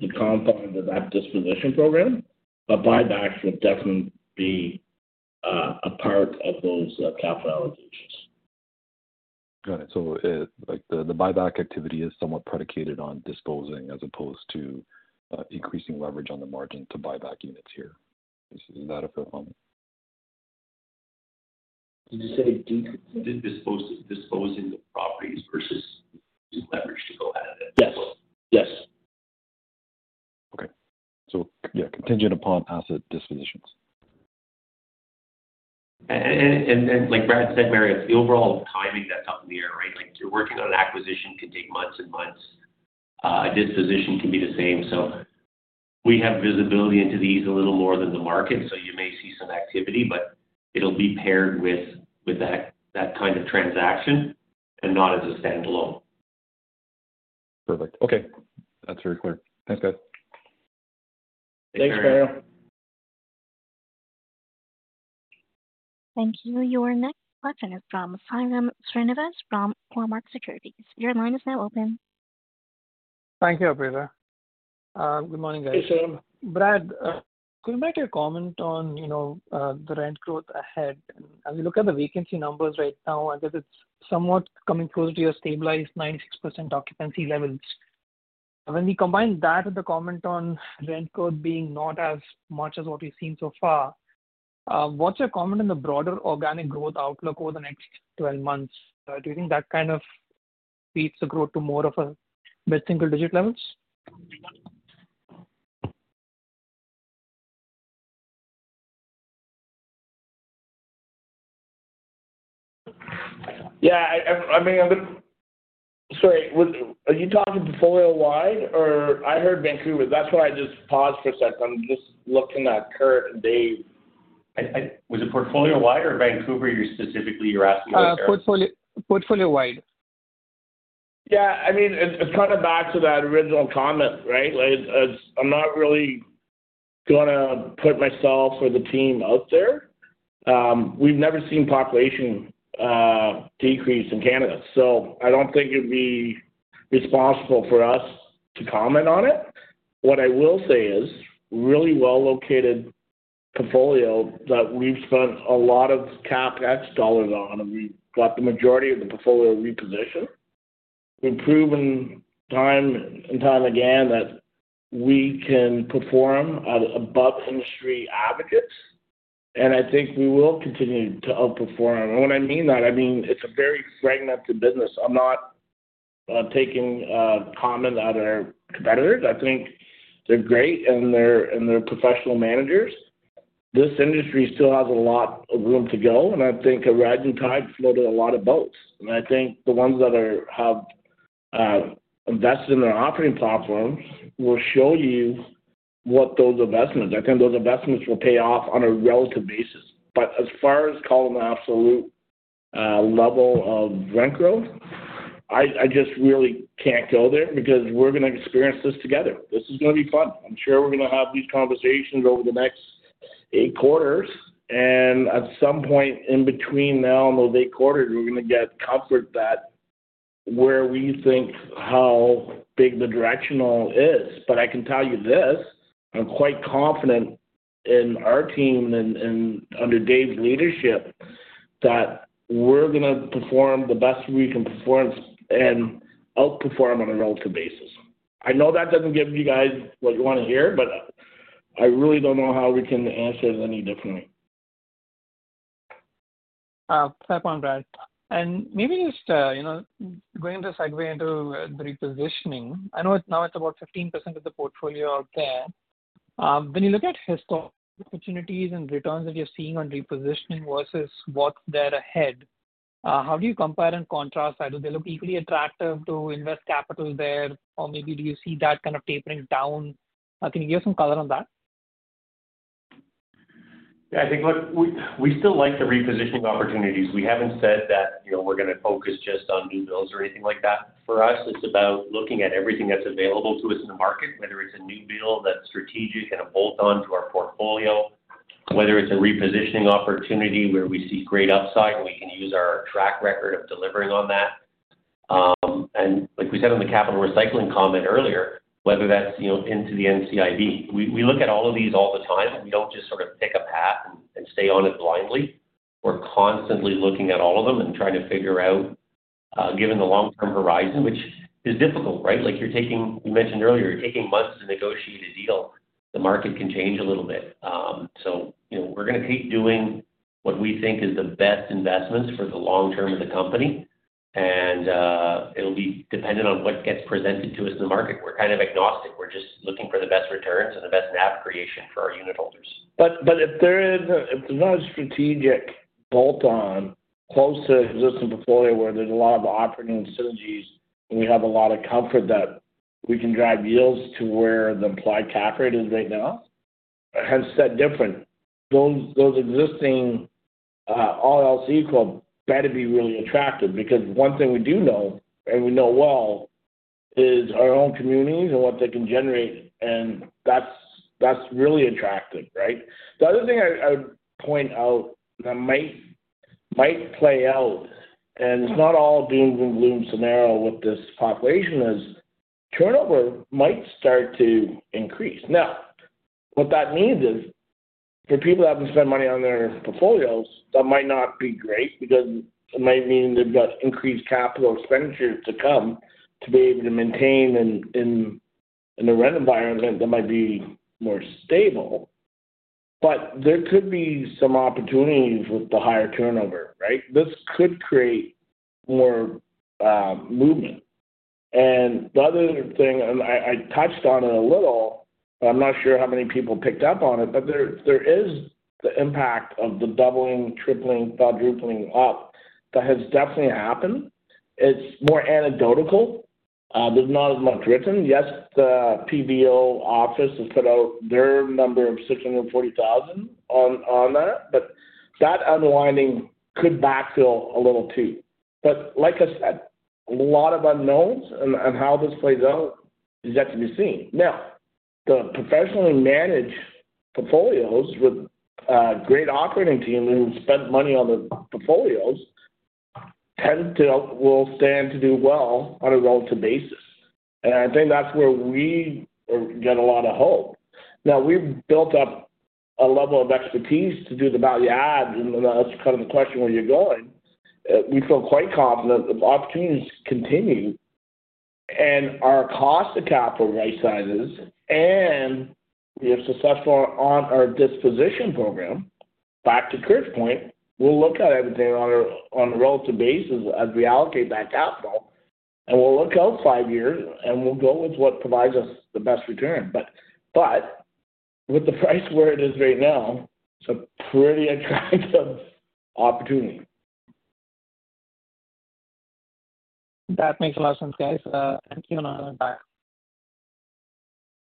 the confines of that disposition program. But buybacks will definitely be a part of those capital allocations. Got it. So the buyback activity is somewhat predicated on disposing as opposed to increasing leverage on the margin to buyback units here. Is that a fair comment? Did you say disposing of properties versus leverage to go ahead? Yes. Yes. Okay, so yeah, contingent upon asset dispositions. And then, like Brad said, Mario, it's the overall timing that's up in the air, right? You're working on an acquisition. It can take months and months. Disposition can be the same. So we have visibility into these a little more than the market. So you may see some activity, but it'll be paired with that kind of transaction and not as a standalone. Perfect. Okay. That's very clear. Thanks, guys. Thanks, Mario. Thank you. Your next question is from Sairam Srinivas from Cormark Securities. Your line is now open. Thank you, Alberto. Good morning, guys. Hey, Sairam. Brad, could we make a comment on the rent growth ahead? And as we look at the vacancy numbers right now, I guess it's somewhat coming close to your stabilized 96% occupancy levels. When we combine that with the comment on rent growth being not as much as what we've seen so far, what's your comment on the broader organic growth outlook over the next 12 months? Do you think that kind of feeds the growth to more of a mid-single-digit levels? Yeah. I mean, sorry. Are you talking portfolio-wide or I heard Vancouver? That's why I just paused for a second. I'm just looking at current and Dave. Was it portfolio-wide or Vancouver, specifically, you're asking about? Portfolio-wide. Yeah. I mean, it's kind of back to that original comment, right? I'm not really going to put myself or the team out there. We've never seen population decrease in Canada. So I don't think it'd be responsible for us to comment on it. What I will say is really well-located portfolio that we've spent a lot of CapEx dollars on, and we've got the majority of the portfolio repositioned. We've proven time and time again that we can perform at above-industry averages. And I think we will continue to outperform. And when I mean that, I mean it's a very fragmented business. I'm not taking comment out of our competitors. I think they're great, and they're professional managers. This industry still has a lot of room to go. And I think a rising tide floated a lot of boats. And I think the ones that have invested in their operating platforms will show you what those investments. I think those investments will pay off on a relative basis. But as far as calling the absolute level of rent growth, I just really can't go there because we're going to experience this together. This is going to be fun. I'm sure we're going to have these conversations over the next eight quarters. And at some point in between now and those eight quarters, we're going to get comfort that where we think how big the directional is. But I can tell you this. I'm quite confident in our team and under Dave's leadership that we're going to perform the best we can perform and outperform on a relative basis. I know that doesn't give you guys what you want to hear, but I really don't know how we can answer it any differently. Fair point, Brad, and maybe just to segue into the repositioning. I know now it's about 15% of the portfolio out there. When you look at historical opportunities and returns that you're seeing on repositioning versus what's there ahead, how do you compare and contrast? Do they look equally attractive to invest capital there? Or maybe do you see that kind of tapering down? Can you give us some color on that? Yeah. I think we still like the repositioning opportunities. We haven't said that we're going to focus just on new builds or anything like that. For us, it's about looking at everything that's available to us in the market, whether it's a new build that's strategic and a bolt-on to our portfolio, whether it's a repositioning opportunity where we see great upside and we can use our track record of delivering on that. And like we said in the capital recycling comment earlier, whether that's into the NCIB. We look at all of these all the time. We don't just sort of pick a path and stay on it blindly. We're constantly looking at all of them and trying to figure out, given the long-term horizon, which is difficult, right? Like you mentioned earlier, you're taking months to negotiate a deal. The market can change a little bit. So we're going to keep doing what we think is the best investments for the long term of the company. And it'll be dependent on what gets presented to us in the market. We're kind of agnostic. We're just looking for the best returns and the best NAV creation for our unit holders. But if there is a strategic bolt-on close to existing portfolio where there's a lot of operating synergies, and we have a lot of comfort that we can drive yields to where the implied cap rate is right now, hence that difference, those existing all else equal better be really attractive because one thing we do know, and we know well, is our own communities and what they can generate. And that's really attractive, right? The other thing I would point out that might play out, and it's not all doom and gloom scenario with this population, is turnover might start to increase. Now, what that means is for people that haven't spent money on their portfolios, that might not be great because it might mean they've got increased capital expenditures to come to be able to maintain in a rent environment that might be more stable. But there could be some opportunities with the higher turnover, right? This could create more movement. And the other thing, and I touched on it a little, but I'm not sure how many people picked up on it, but there is the impact of the doubling, tripling, quadrupling up that has definitely happened. It's more anecdotal. There's not as much written. Yes, the PBO office has put out their number of 640,000 on that. But that unwinding could backfill a little too. But like I said, a lot of unknowns, and how this plays out is yet to be seen. Now, the professionally managed portfolios with great operating teams who spent money on the portfolios tend to will stand to do well on a relative basis. And I think that's where we get a lot of hope. Now, we've built up a level of expertise to do the value-add, and that's kind of the question where you're going. We feel quite confident if opportunities continue and our cost of capital right-sizes and we are successful on our disposition program, back to Curt's point, we'll look at everything on a relative basis as we allocate that capital. And we'll look out five years, and we'll go with what provides us the best return. But with the price where it is right now, it's a pretty attractive opportunity. That makes a lot of sense, guys. Thank you.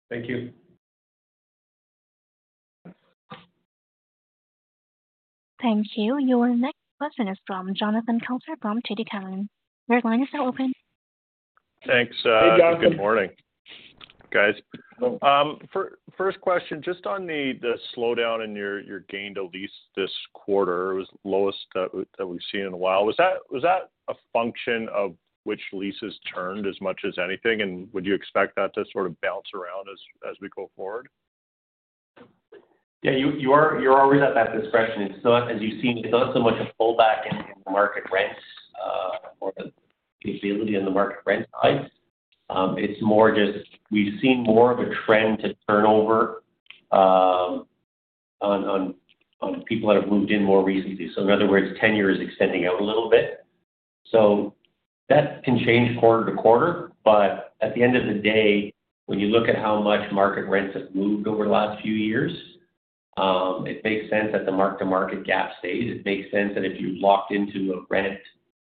Thank you. Thank you. Your next question is from Jonathan Kelcher from TD Cowen. Your line is now open. Thanks. Hey, Jonathan. Good morning, guys. First question, just on the slowdown in your gain on lease this quarter, it was the lowest that we've seen in a while. Was that a function of which leases turned as much as anything? And would you expect that to sort of bounce around as we go forward? Yeah. You're always at that discretion. As you've seen, it's not so much a pullback in the market rents or the stability in the market rent side. It's more just we've seen more of a trend to turnover on people that have moved in more recently. So in other words, tenure is extending out a little bit. So that can change quarter to quarter. But at the end of the day, when you look at how much market rents have moved over the last few years, it makes sense that the mark-to-market gap stays. It makes sense that if you locked into a rent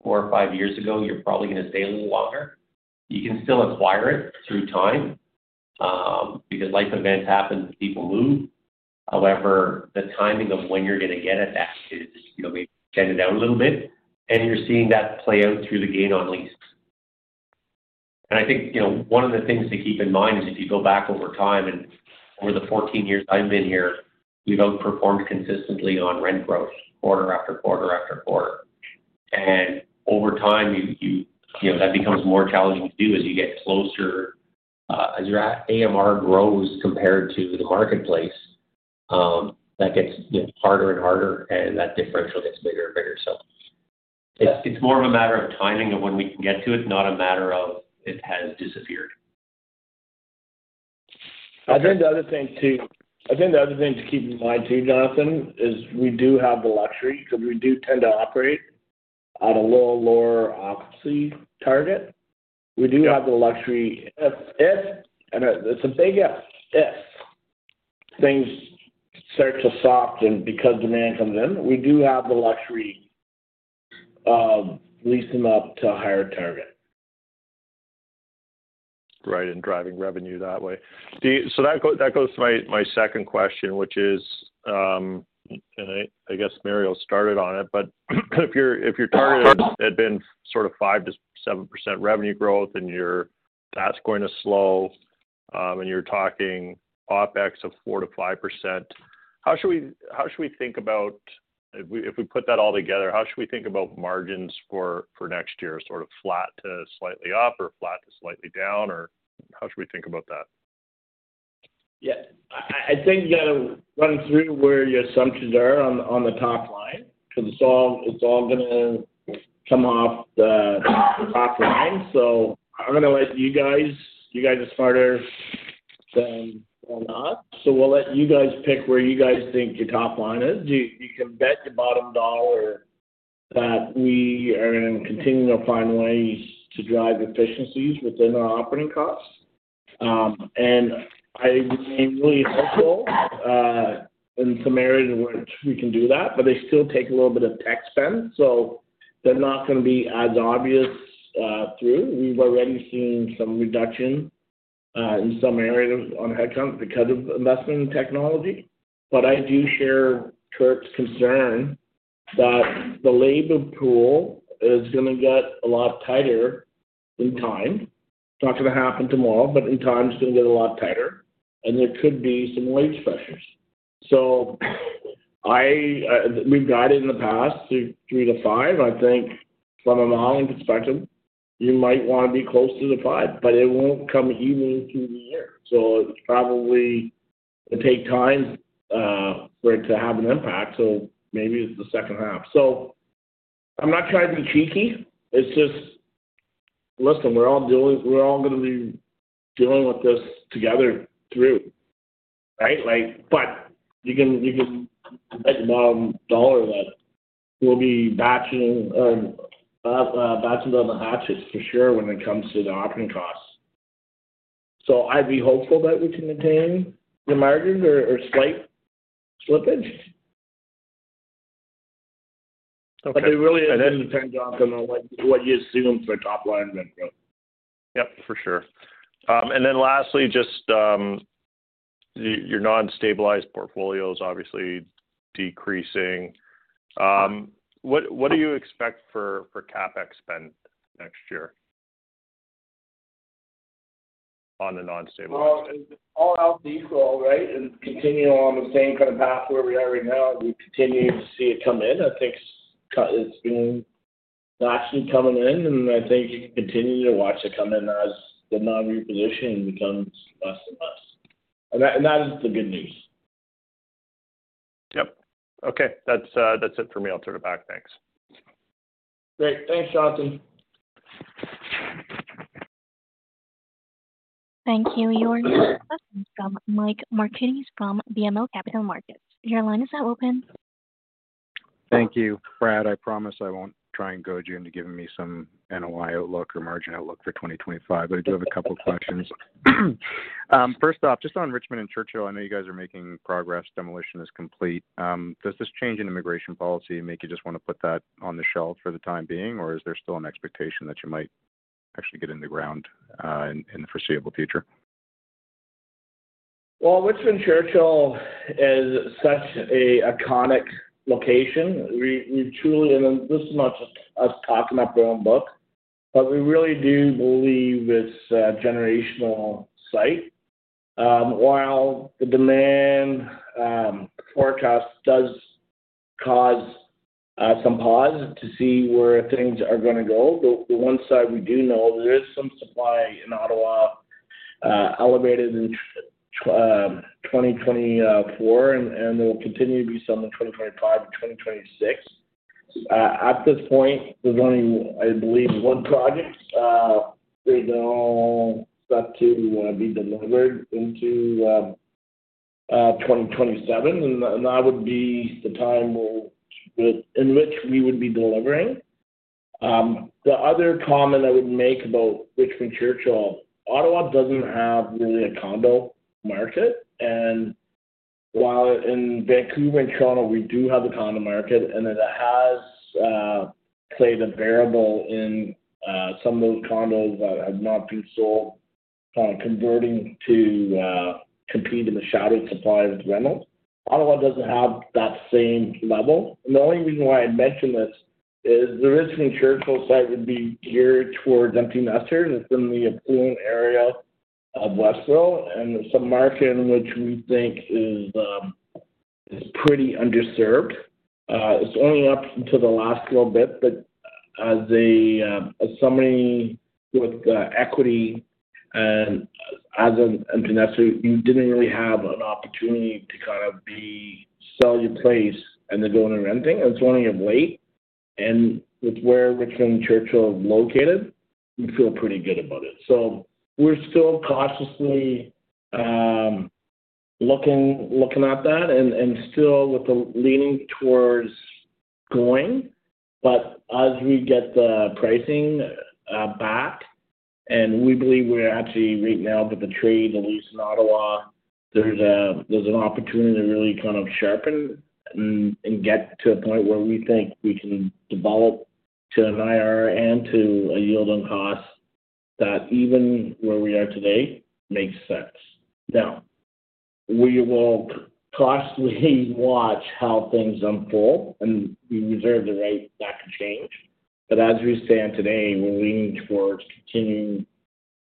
four or five years ago, you're probably going to stay a little longer. You can still acquire it through time because life events happen and people move. However, the timing of when you're going to get it back is maybe hand it down a little bit. You're seeing that play out through the gain-on-lease. I think one of the things to keep in mind is if you go back over time and over the 14 years I've been here, we've outperformed consistently on rent growth quarter after quarter after quarter. Over time, that becomes more challenging to do as you get closer as your AMR grows compared to the marketplace. That gets harder and harder, and that differential gets bigger and bigger. It's more of a matter of timing of when we can get to it, not a matter of it has disappeared. I think the other thing to keep in mind too, Jonathan, is we do have the luxury because we do tend to operate at a little lower occupancy target. We do have the luxury if and it's a big if, if things start to soften because demand comes in, we do have the luxury of leasing up to a higher target. Right. And driving revenue that way. So that goes to my second question, which is, and I guess Mario started on it, but if your target had been sort of 5%-7% revenue growth and that's going to slow and you're talking OpEx of 4%-5%, how should we think about if we put that all together, how should we think about margins for next year? Sort of flat to slightly up or flat to slightly down, or how should we think about that? Yeah. I think run through where your assumptions are on the top line because it's all going to come off the top line. So I'm going to let you guys you guys are smarter than I'm not. So we'll let you guys pick where you guys think your top line is. You can bet your bottom dollar that we are going to continue to find ways to drive efficiencies within our operating costs. And I would be really hopeful in some areas where we can do that, but they still take a little bit of tech spend. So they're not going to be as obvious through. We've already seen some reduction in some areas on headcount because of investment technology. But I do share Curt's concern that the labor pool is going to get a lot tighter in time. It's not going to happen tomorrow, but in time, it's going to get a lot tighter, and there could be some wage pressures, so we've got it in the past, three to five. I think from a modeling perspective, you might want to be closer to five, but it won't come evenly through the year, so it's probably going to take time for it to have an impact, so maybe it's the second half, so I'm not trying to be cheeky. It's just, listen, we're all going to be dealing with this together through, right, but you can bet your bottom dollar that we'll be sharpening the hatchets for sure when it comes to the operating costs, so I'd be hopeful that we can maintain the margins or slight slippage. Okay. But it really depends, Jonathan, on what you assume for top line rent growth. Yep. For sure. And then lastly, just your non-stabilized portfolios obviously decreasing. What do you expect for CapEx spend next year on the non-stabilized? It's all else equal, right? Continuing on the same kind of path where we are right now, we continue to see it come in. I think it's been actually coming in. I think you can continue to watch it come in as the non-repositioning becomes less and less. That is the good news. Yep. Okay. That's it for me. I'll turn it back. Thanks. Great. Thanks, Jonathan. Thank you. Your next question is from Mike Markidis from BMO Capital Markets. Your line is now open. Thank you, Brad. I promise I won't try and go into giving me some NOI outlook or margin outlook for 2025, but I do have a couple of questions. First off, just on Richmond and Churchill, I know you guys are making progress. Demolition is complete. Does this change in immigration policy make you just want to put that on the shelf for the time being, or is there still an expectation that you might actually get in the ground in the foreseeable future? Richmond and Churchill is such an iconic location. We truly, and this is not just us talking up our own book, but we really do believe it's a generational site. While the demand forecast does cause some pause to see where things are going to go, the one side we do know there is some supply in Ottawa elevated in 2024, and there will continue to be some in 2025 and 2026. At this point, there's only, I believe, one project that will start to be delivered into 2027. And that would be the time in which we would be delivering. The other comment I would make about Richmond and Churchill, Ottawa doesn't have really a condo market. And while in Vancouver and Toronto, we do have a condo market, and it has played a variable in some of those condos that have not been sold, converting to compete in the shadow supply of rentals. Ottawa doesn't have that same level. And the only reason why I mention this is the Richmond and Churchill site would be geared towards empty nesters, and it's in the opulent area of Westboro. And it's a market in which we think is pretty underserved. It's only up to the last little bit. But as somebody with equity and as an empty nester, you didn't really have an opportunity to kind of sell your place and then go into renting. And it's only of late. And with where Richmond and Churchill is located, we feel pretty good about it. So we're still cautiously looking at that and still leaning towards going. But as we get the pricing back, and we believe we're actually right now with the trade at least in Ottawa, there's an opportunity to really kind of sharpen and get to a point where we think we can develop to an IRR and to a yield on costs that even where we are today makes sense. Now, we will closely watch how things unfold, and we reserve the right that could change. But as we stand today, we're leaning towards continuing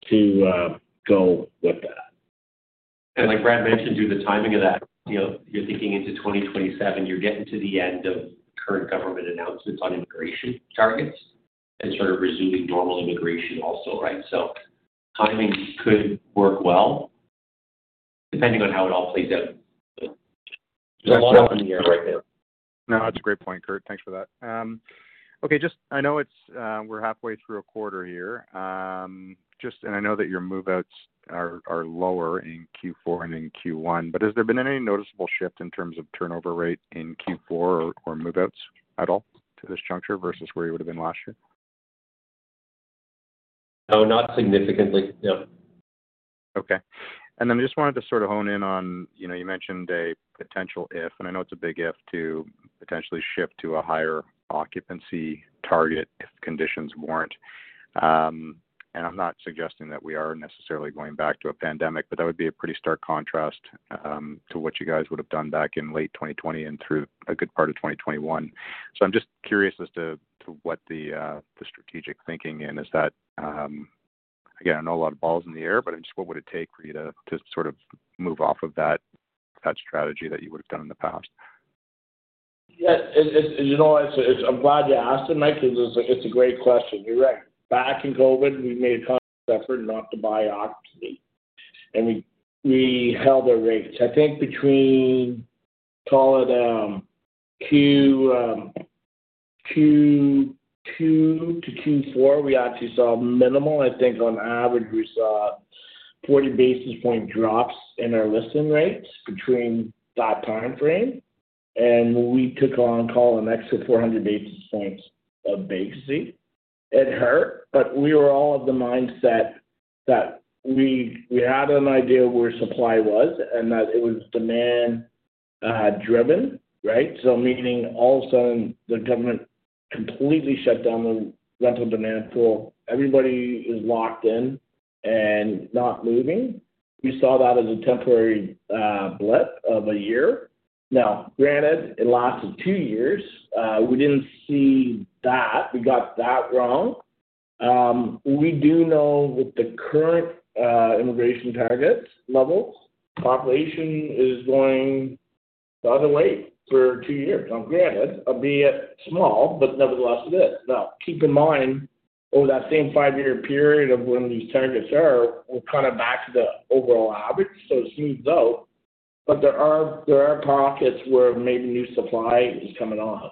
to go with that. and like Brad mentioned, dude, the timing of that, you're thinking into 2027, you're getting to the end of current government announcements on immigration targets and sort of resuming normal immigration also, right? So timing could work well depending on how it all plays out. There's a lot up in the air right now. No, that's a great point, Curt. Thanks for that. Okay. I know we're halfway through a quarter here. And I know that your move-outs are lower in Q4 and in Q1. But has there been any noticeable shift in terms of turnover rate in Q4 or move-outs at all to this juncture versus where you would have been last year? No, not significantly. No. Okay. And then I just wanted to sort of hone in on you mentioned a potential if, and I know it's a big if to potentially shift to a higher occupancy target if conditions warrant. And I'm not suggesting that we are necessarily going back to a pandemic, but that would be a pretty stark contrast to what you guys would have done back in late 2020 and through a good part of 2021. So I'm just curious as to what the strategic thinking is. Again, I know a lot of balls in the air, but just what would it take for you to sort of move off of that strategy that you would have done in the past? Yeah. You know what? I'm glad you asked it, Mike, because it's a great question. You're right. Back in COVID, we made a ton of effort not to buy occupancy and we held our rates. I think between Q2 to Q4, we actually saw minimal. I think on average, we saw 40 basis point drops in our listing rates between that time frame. And we took on, like, an extra 400 basis points of vacancy. It hurt, but we were all of the mindset that we had an idea of where supply was and that it was demand-driven, right? So, meaning all of a sudden, the government completely shut down the rental demand pool. Everybody is locked in and not moving. We saw that as a temporary blip of a year. Now, granted, it lasted two years. We didn't see that. We got that wrong. We do know with the current immigration target levels, population is going the other way for two years. Now, granted, it'll be small, but nevertheless, it is. Now, keep in mind, over that same five-year period of when these targets are, we're kind of back to the overall average. So it smooths out. But there are pockets where maybe new supply is coming on.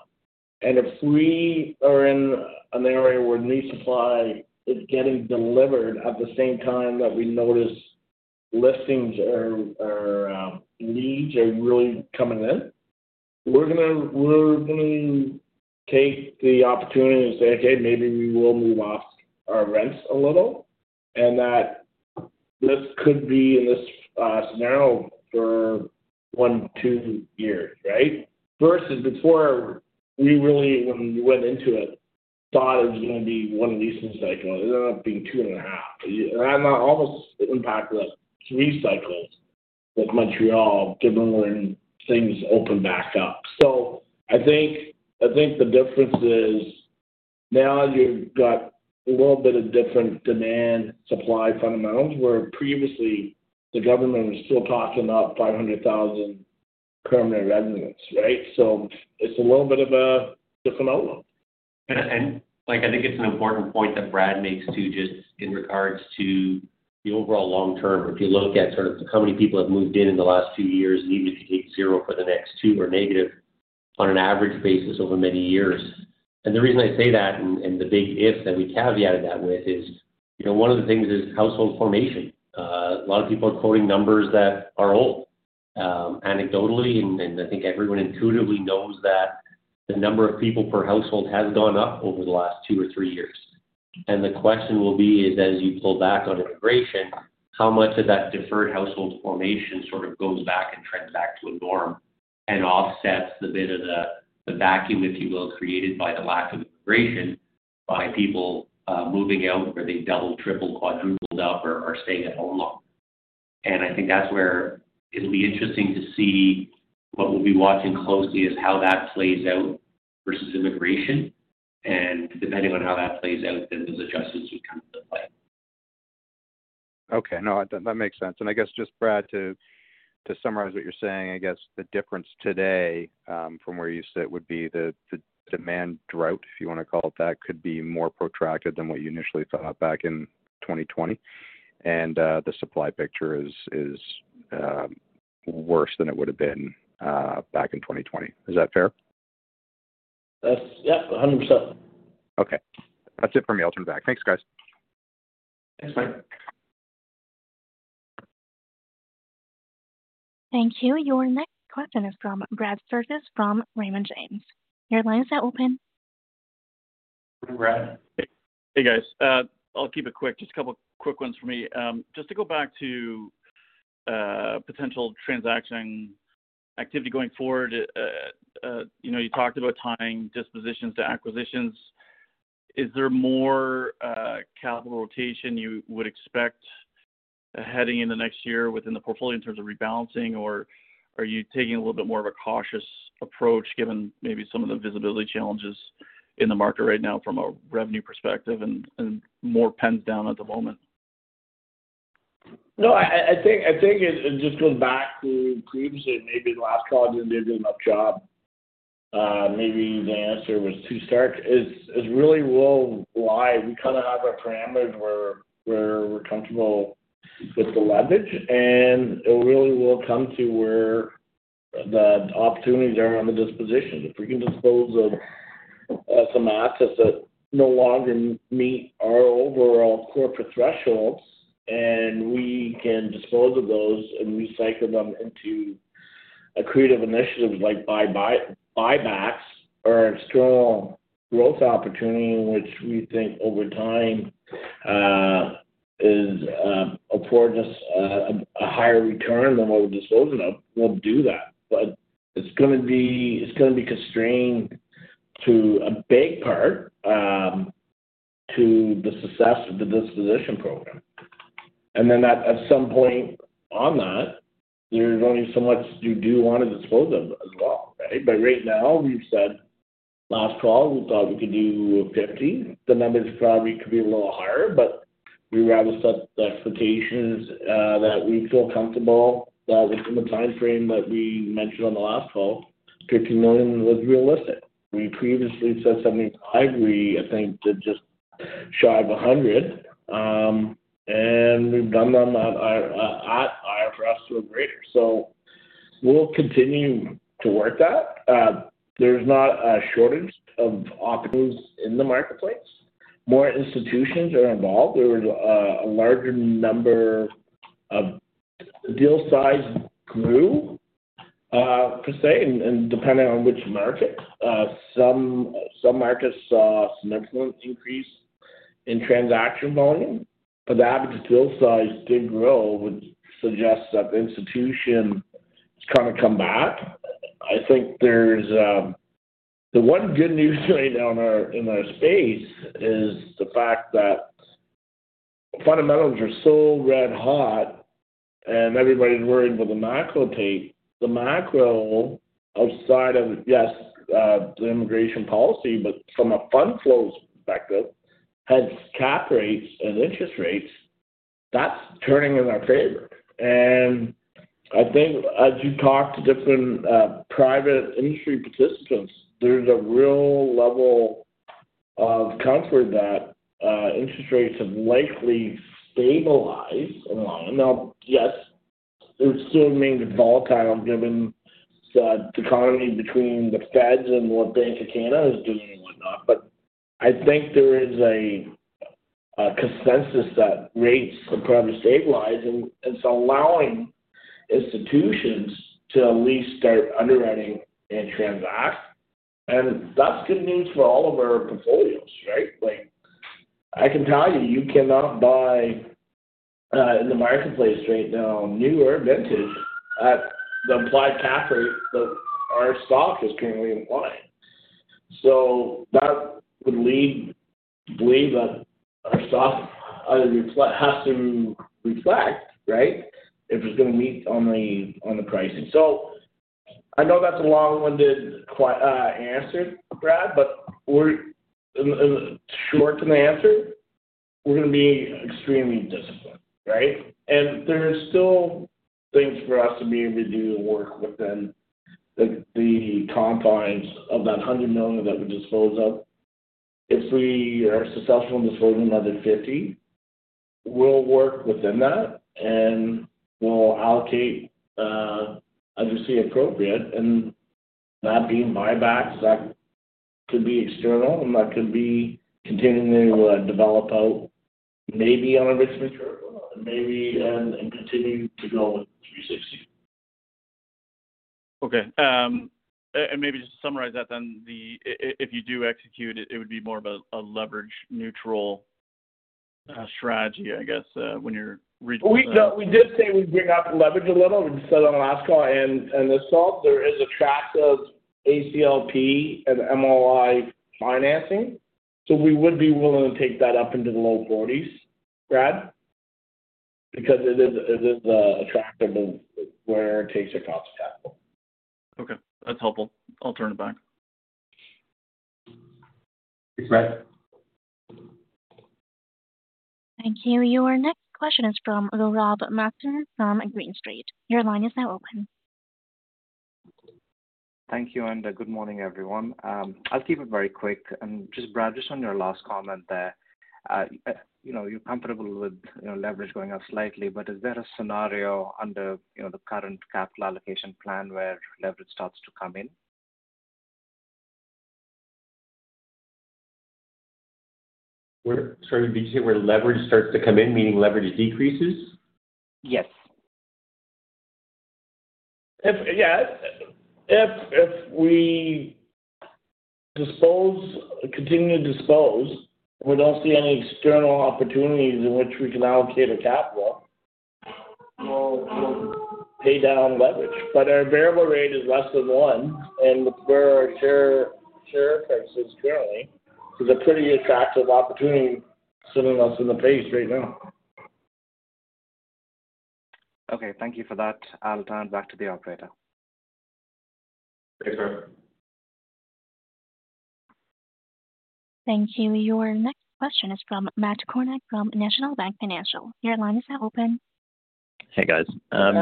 And if we are in an area where new supply is getting delivered at the same time that we notice listings or leads are really coming in, we're going to take the opportunity and say, "Okay, maybe we will move off our rents a little," and that this could be in this scenario for one, two years, right? Versus before, we really, when we went into it, thought it was going to be one leasing cycle. It ended up being two and a half. And that almost impacted us three cycles with Montreal, given when things opened back up. So I think the difference is now you've got a little bit of different demand-supply fundamentals where previously the government was still talking about 500,000 permanent residents, right? So it's a little bit of a different outlook. I think it's an important point that Brad makes too just in regards to the overall long term. If you look at sort of how many people have moved in in the last two years, and even if you take zero for the next two or negative on an average basis over many years. The reason I say that and the big if that we caveated that with is one of the things is household formation. A lot of people are quoting numbers that are old. Anecdotally, and I think everyone intuitively knows that the number of people per household has gone up over the last two or three years. And the question will be, as you pull back on immigration, how much of that deferred household formation sort of goes back and trends back to a norm and offsets the bit of the vacuum, if you will, created by the lack of immigration by people moving out where they double, triple, quadrupled up or are staying at home longer. And I think that's where it'll be interesting to see what we'll be watching closely is how that plays out versus immigration. And depending on how that plays out, then those adjustments would come into play. Okay. No, that makes sense. And I guess just, Brad, to summarize what you're saying, I guess the difference today from where you sit would be the demand drought, if you want to call it that, could be more protracted than what you initially thought back in 2020. And the supply picture is worse than it would have been back in 2020. Is that fair? Yep. 100%. Okay. That's it for me. I'll turn it back. Thanks, guys. Thanks, Mike. Thank you. Your next question is from Brad Sturges from Raymond James. Your line is now open. Hey, Brad. Hey, guys. I'll keep it quick. Just a couple of quick ones for me. Just to go back to potential transaction activity going forward, you talked about tying dispositions to acquisitions. Is there more capital rotation you would expect heading into next year within the portfolio in terms of rebalancing, or are you taking a little bit more of a cautious approach given maybe some of the visibility challenges in the market right now from a revenue perspective and more pens down at the moment? No, I think it just goes back to previously, maybe the last call didn't do a good enough job. Maybe the answer was too stark. It really will lie we kind of have our parameters where we're comfortable with the leverage, and it really will come to where the opportunities are on the disposition. If we can dispose of some assets that no longer meet our overall corporate thresholds, and we can dispose of those and recycle them into creative initiatives like buybacks or external growth opportunity, which we think over time is affords us a higher return than what we're disposing of, we'll do that. But it's going to be constrained to a big part to the success of the disposition program. Then at some point on that, there's only so much you do want to dispose of as well, right? But right now, we've said last call, we thought we could do 50 million. The numbers probably could be a little higher, but we'd rather set the expectations that we feel comfortable that within the time frame that we mentioned on the last call, 50 million was realistic. We previously said 75 million. I think they're just shy of 100 million. And we've done them at IRR for us to a greater. So we'll continue to work that. There's not a shortage of opportunities in the marketplace. More institutions are involved. There was a larger number of deal size grew per se, and depending on which market, some markets saw a significant increase in transaction volume. But the average deal size did grow, which suggests that the institution is trying to come back. I think the one good news right now in our space is the fact that fundamentals are so red hot and everybody's worried about the macro tape. The macro outside of, yes, the immigration policy, but from a fund flows perspective, hence cap rates and interest rates, that's turning in our favor. And I think as you talk to different private industry participants, there's a real level of comfort that interest rates have likely stabilized a lot. Now, yes, it's still remaining volatile given the economy between the Feds and what Bank of Canada is doing and whatnot. But I think there is a consensus that rates are probably stabilizing, and it's allowing institutions to at least start underwriting and transact. And that's good news for all of our portfolios, right? I can tell you, you cannot buy in the marketplace right now new or vintage at the implied cap rate that our stock is currently implying. So that would lead to believe that our stock has to reflect, right, if it's going to meet on the pricing. So I know that's a long-winded answer, Brad, but in short, in the answer, we're going to be extremely disciplined, right? And there's still things for us to be able to do and work within the confines of that 100 million that we dispose of. If we are successful in disposing of another 50 million, we'll work within that, and we'll allocate as we see appropriate. And that being buybacks, that could be external, and that could be continuing to develop out maybe on a risk-measured and maybe continue to go with 360. Okay, and maybe just to summarize that then, if you do execute it, it would be more of a leverage-neutral strategy, I guess, when you're reaching out. We did say we'd bring up leverage a little. We said on the last call, and this fall, there is a track of ACLP and MLI financing. So we would be willing to take that up into the low 40s, Brad, because it is attractive where it takes your cost of capital. Okay. That's helpful. I'll turn it back. Thanks, Brad. Thank you. Your next question is from Rob Matschke from Green Street. Your line is now open. Thank you. And good morning, everyone. I'll keep it very quick. And just, Brad, just on your last comment there, you're comfortable with leverage going up slightly, but is there a scenario under the current capital allocation plan where leverage starts to come in? Sorry, did you say where leverage starts to come in, meaning leverage decreases? Yes. Yeah. If we continue to dispose, we don't see any external opportunities in which we can allocate our capital to pay down leverage. But our variable rate is less than one, and with where our share price is currently, it's a pretty attractive opportunity sitting us in the face right now. Okay. Thank you for that. I'll turn it back to the operator. Thanks, Brad. Thank you. Your next question is from Matt Korn from National Bank Financial. Your line is now open. Hey, guys.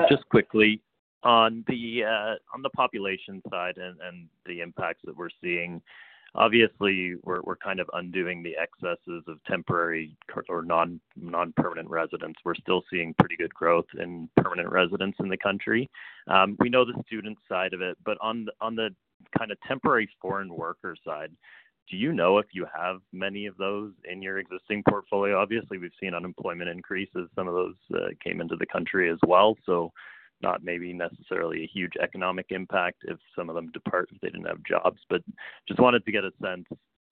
Just quickly, on the population side and the impacts that we're seeing, obviously, we're kind of undoing the excesses of temporary or non-permanent residents. We're still seeing pretty good growth in permanent residents in the country. We know the student side of it, but on the kind of temporary foreign worker side, do you know if you have many of those in your existing portfolio? Obviously, we've seen unemployment increase as some of those came into the country as well. So not maybe necessarily a huge economic impact if some of them depart if they didn't have jobs. But just wanted to get a sense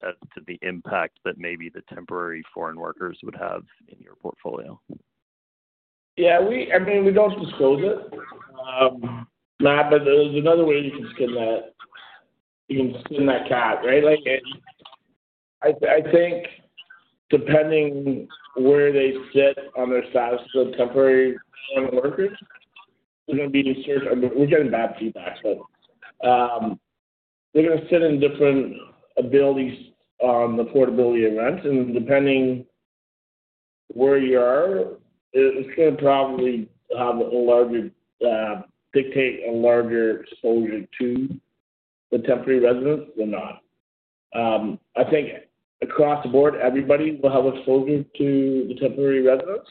as to the impact that maybe the temporary foreign workers would have in your portfolio. Yeah. I mean, we don't dispose of it. But there's another way you can skin that cat, right? I think depending where they sit on their status of temporary foreign workers, we're going to be searching. We're getting bad feedback, but they're going to sit in different abilities on the portability of rents. And depending where you are, it's going to probably have a larger dictate a larger exposure to the temporary residents than not. I think across the board, everybody will have exposure to the temporary residents.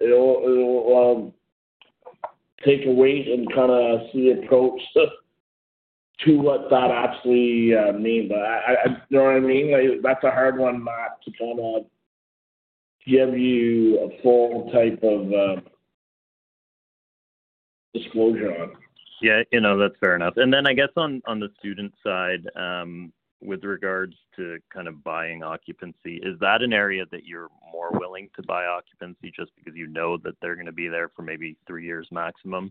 It will take a wait and kind of see the approach to what that actually means. You know what I mean? That's a hard one not to kind of give you a full type of disclosure on. Yeah. No, that's fair enough. And then I guess on the student side, with regards to kind of buying occupancy, is that an area that you're more willing to buy occupancy just because you know that they're going to be there for maybe three years maximum?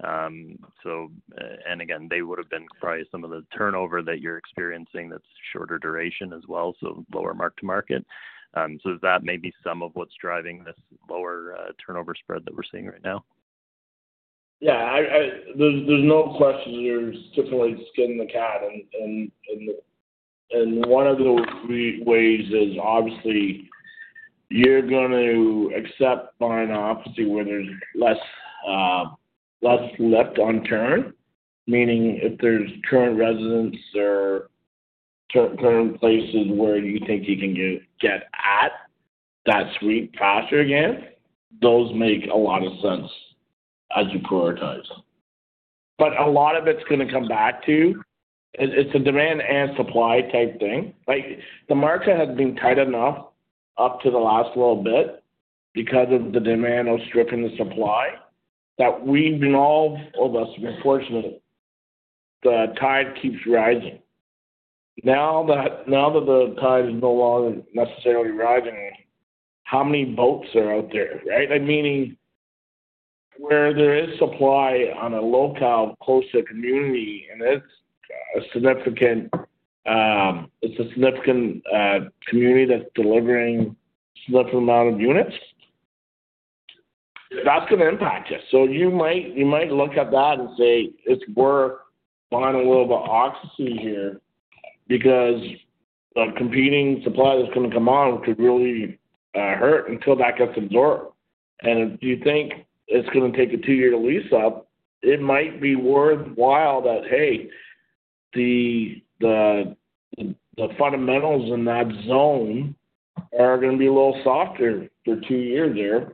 And again, they would have been probably some of the turnover that you're experiencing that's shorter duration as well, so lower mark-to-market. So is that maybe some of what's driving this lower turnover spread that we're seeing right now? Yeah. There's no question there's definitely skin in the cat. And one of the ways is obviously you're going to accept buying an opportunity where there's less left on turn, meaning if there's current residents or current places where you think you can get at that suite faster again, those make a lot of sense as you prioritize. But a lot of it's going to come back to it's a demand and supply type thing. The market has been tight enough up to the last little bit because of the demand of stripping the supply that we've been all of us, unfortunately, the tide keeps rising. Now that the tide is no longer necessarily rising, how many boats are out there, right? Meaning where there is supply on a locale close to a community, and it's a significant community that's delivering a significant amount of units, that's going to impact you. So you might look at that and say, "It's worth buying a little bit of occupancy here because the competing supply that's going to come on could really hurt until that gets absorbed." And if you think it's going to take a two-year lease up, it might be worthwhile that, hey, the fundamentals in that zone are going to be a little softer for two years there.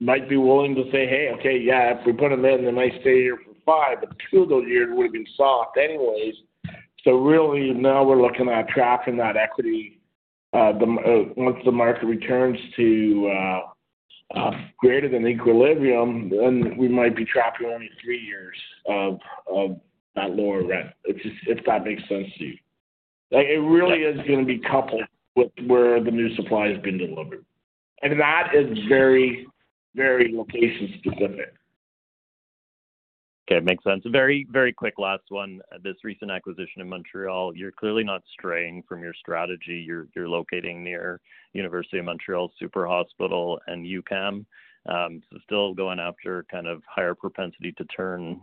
Might be willing to say, "Hey, okay, yeah, if we put them in, they might stay here for five, but two of those years would have been soft anyways." So really, now we're looking at trapping that equity once the market returns to greater than equilibrium, then we might be trapping only three years of that lower rent, if that makes sense to you. It really is going to be coupled with where the new supply has been delivered. And that is very, very location-specific. Okay. Makes sense. Very quick last one. This recent acquisition in Montreal, you're clearly not straying from your strategy. You're locating near Université de Montréal, CHUM, and UQAM. So still going after kind of higher propensity to turn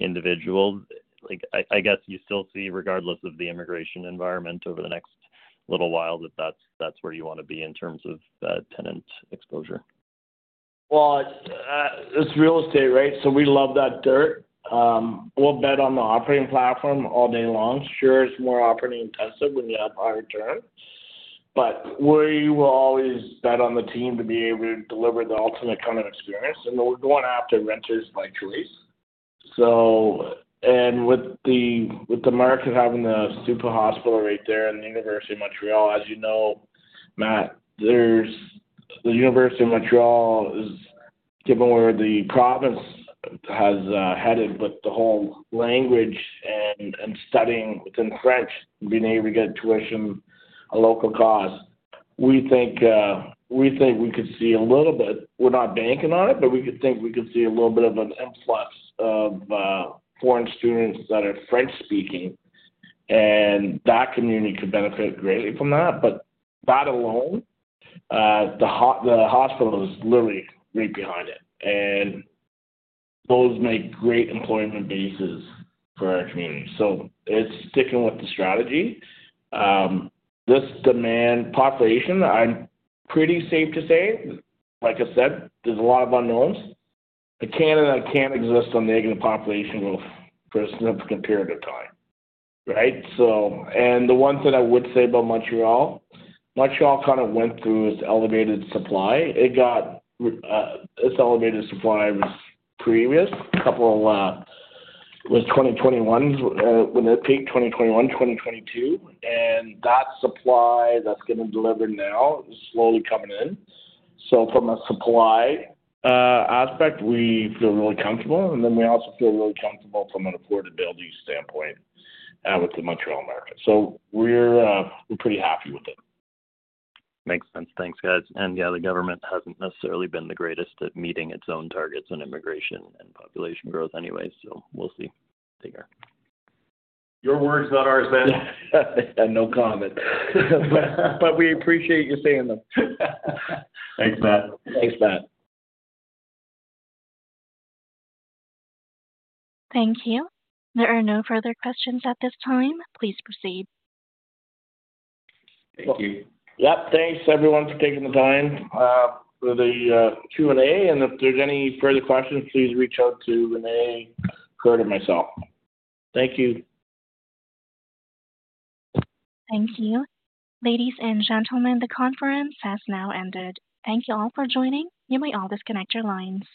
individuals. I guess you still see, regardless of the immigration environment over the next little while, that that's where you want to be in terms of tenant exposure. It's real estate, right? So we love that dirt. We'll bet on the operating platform all day long. Sure, it's more operating intensive when you have higher turn. But we will always bet on the team to be able to deliver the ultimate kind of experience. We're going after renters by choice. With the market having the Super Hospital right there and the Université de Montréal, as you know, Matt, the Université de Montréal is given where the province has headed, but the whole language and studying within French, being able to get tuition at a local cost, we think we could see a little bit. We're not banking on it, but we think we could see a little bit of an influx of foreign students that are French-speaking. That community could benefit greatly from that. That alone, the hospital is literally right behind it. Those make great employment bases for our community. It's sticking with the strategy. This demand population, I'm pretty safe to say, like I said, there's a lot of unknowns. Canada can't exist on the aggregate population growth for a significant period of time, right? The one thing I would say about Montreal, Montreal kind of went through its elevated supply. Its elevated supply was previous, a couple of it was 2021, when it peaked 2021, 2022. That supply that's getting delivered now is slowly coming in. From a supply aspect, we feel really comfortable. Then we also feel really comfortable from an affordability standpoint with the Montreal market. We're pretty happy with it. Makes sense. Thanks, guys. And yeah, the government hasn't necessarily been the greatest at meeting its own targets on immigration and population growth anyway. So we'll see. Take care. Your words not ours, man. Yeah. No comment. But we appreciate you saying them. Thanks, Matt. Thanks, Matt. Thank you. There are no further questions at this time. Please proceed. Thank you. Yep. Thanks, everyone, for taking the time for the Q&A. And if there's any further questions, please reach out to Renee, Curt, or myself. Thank you. Thank you. Ladies and gentlemen, the conference has now ended. Thank you all for joining. You may all disconnect your lines.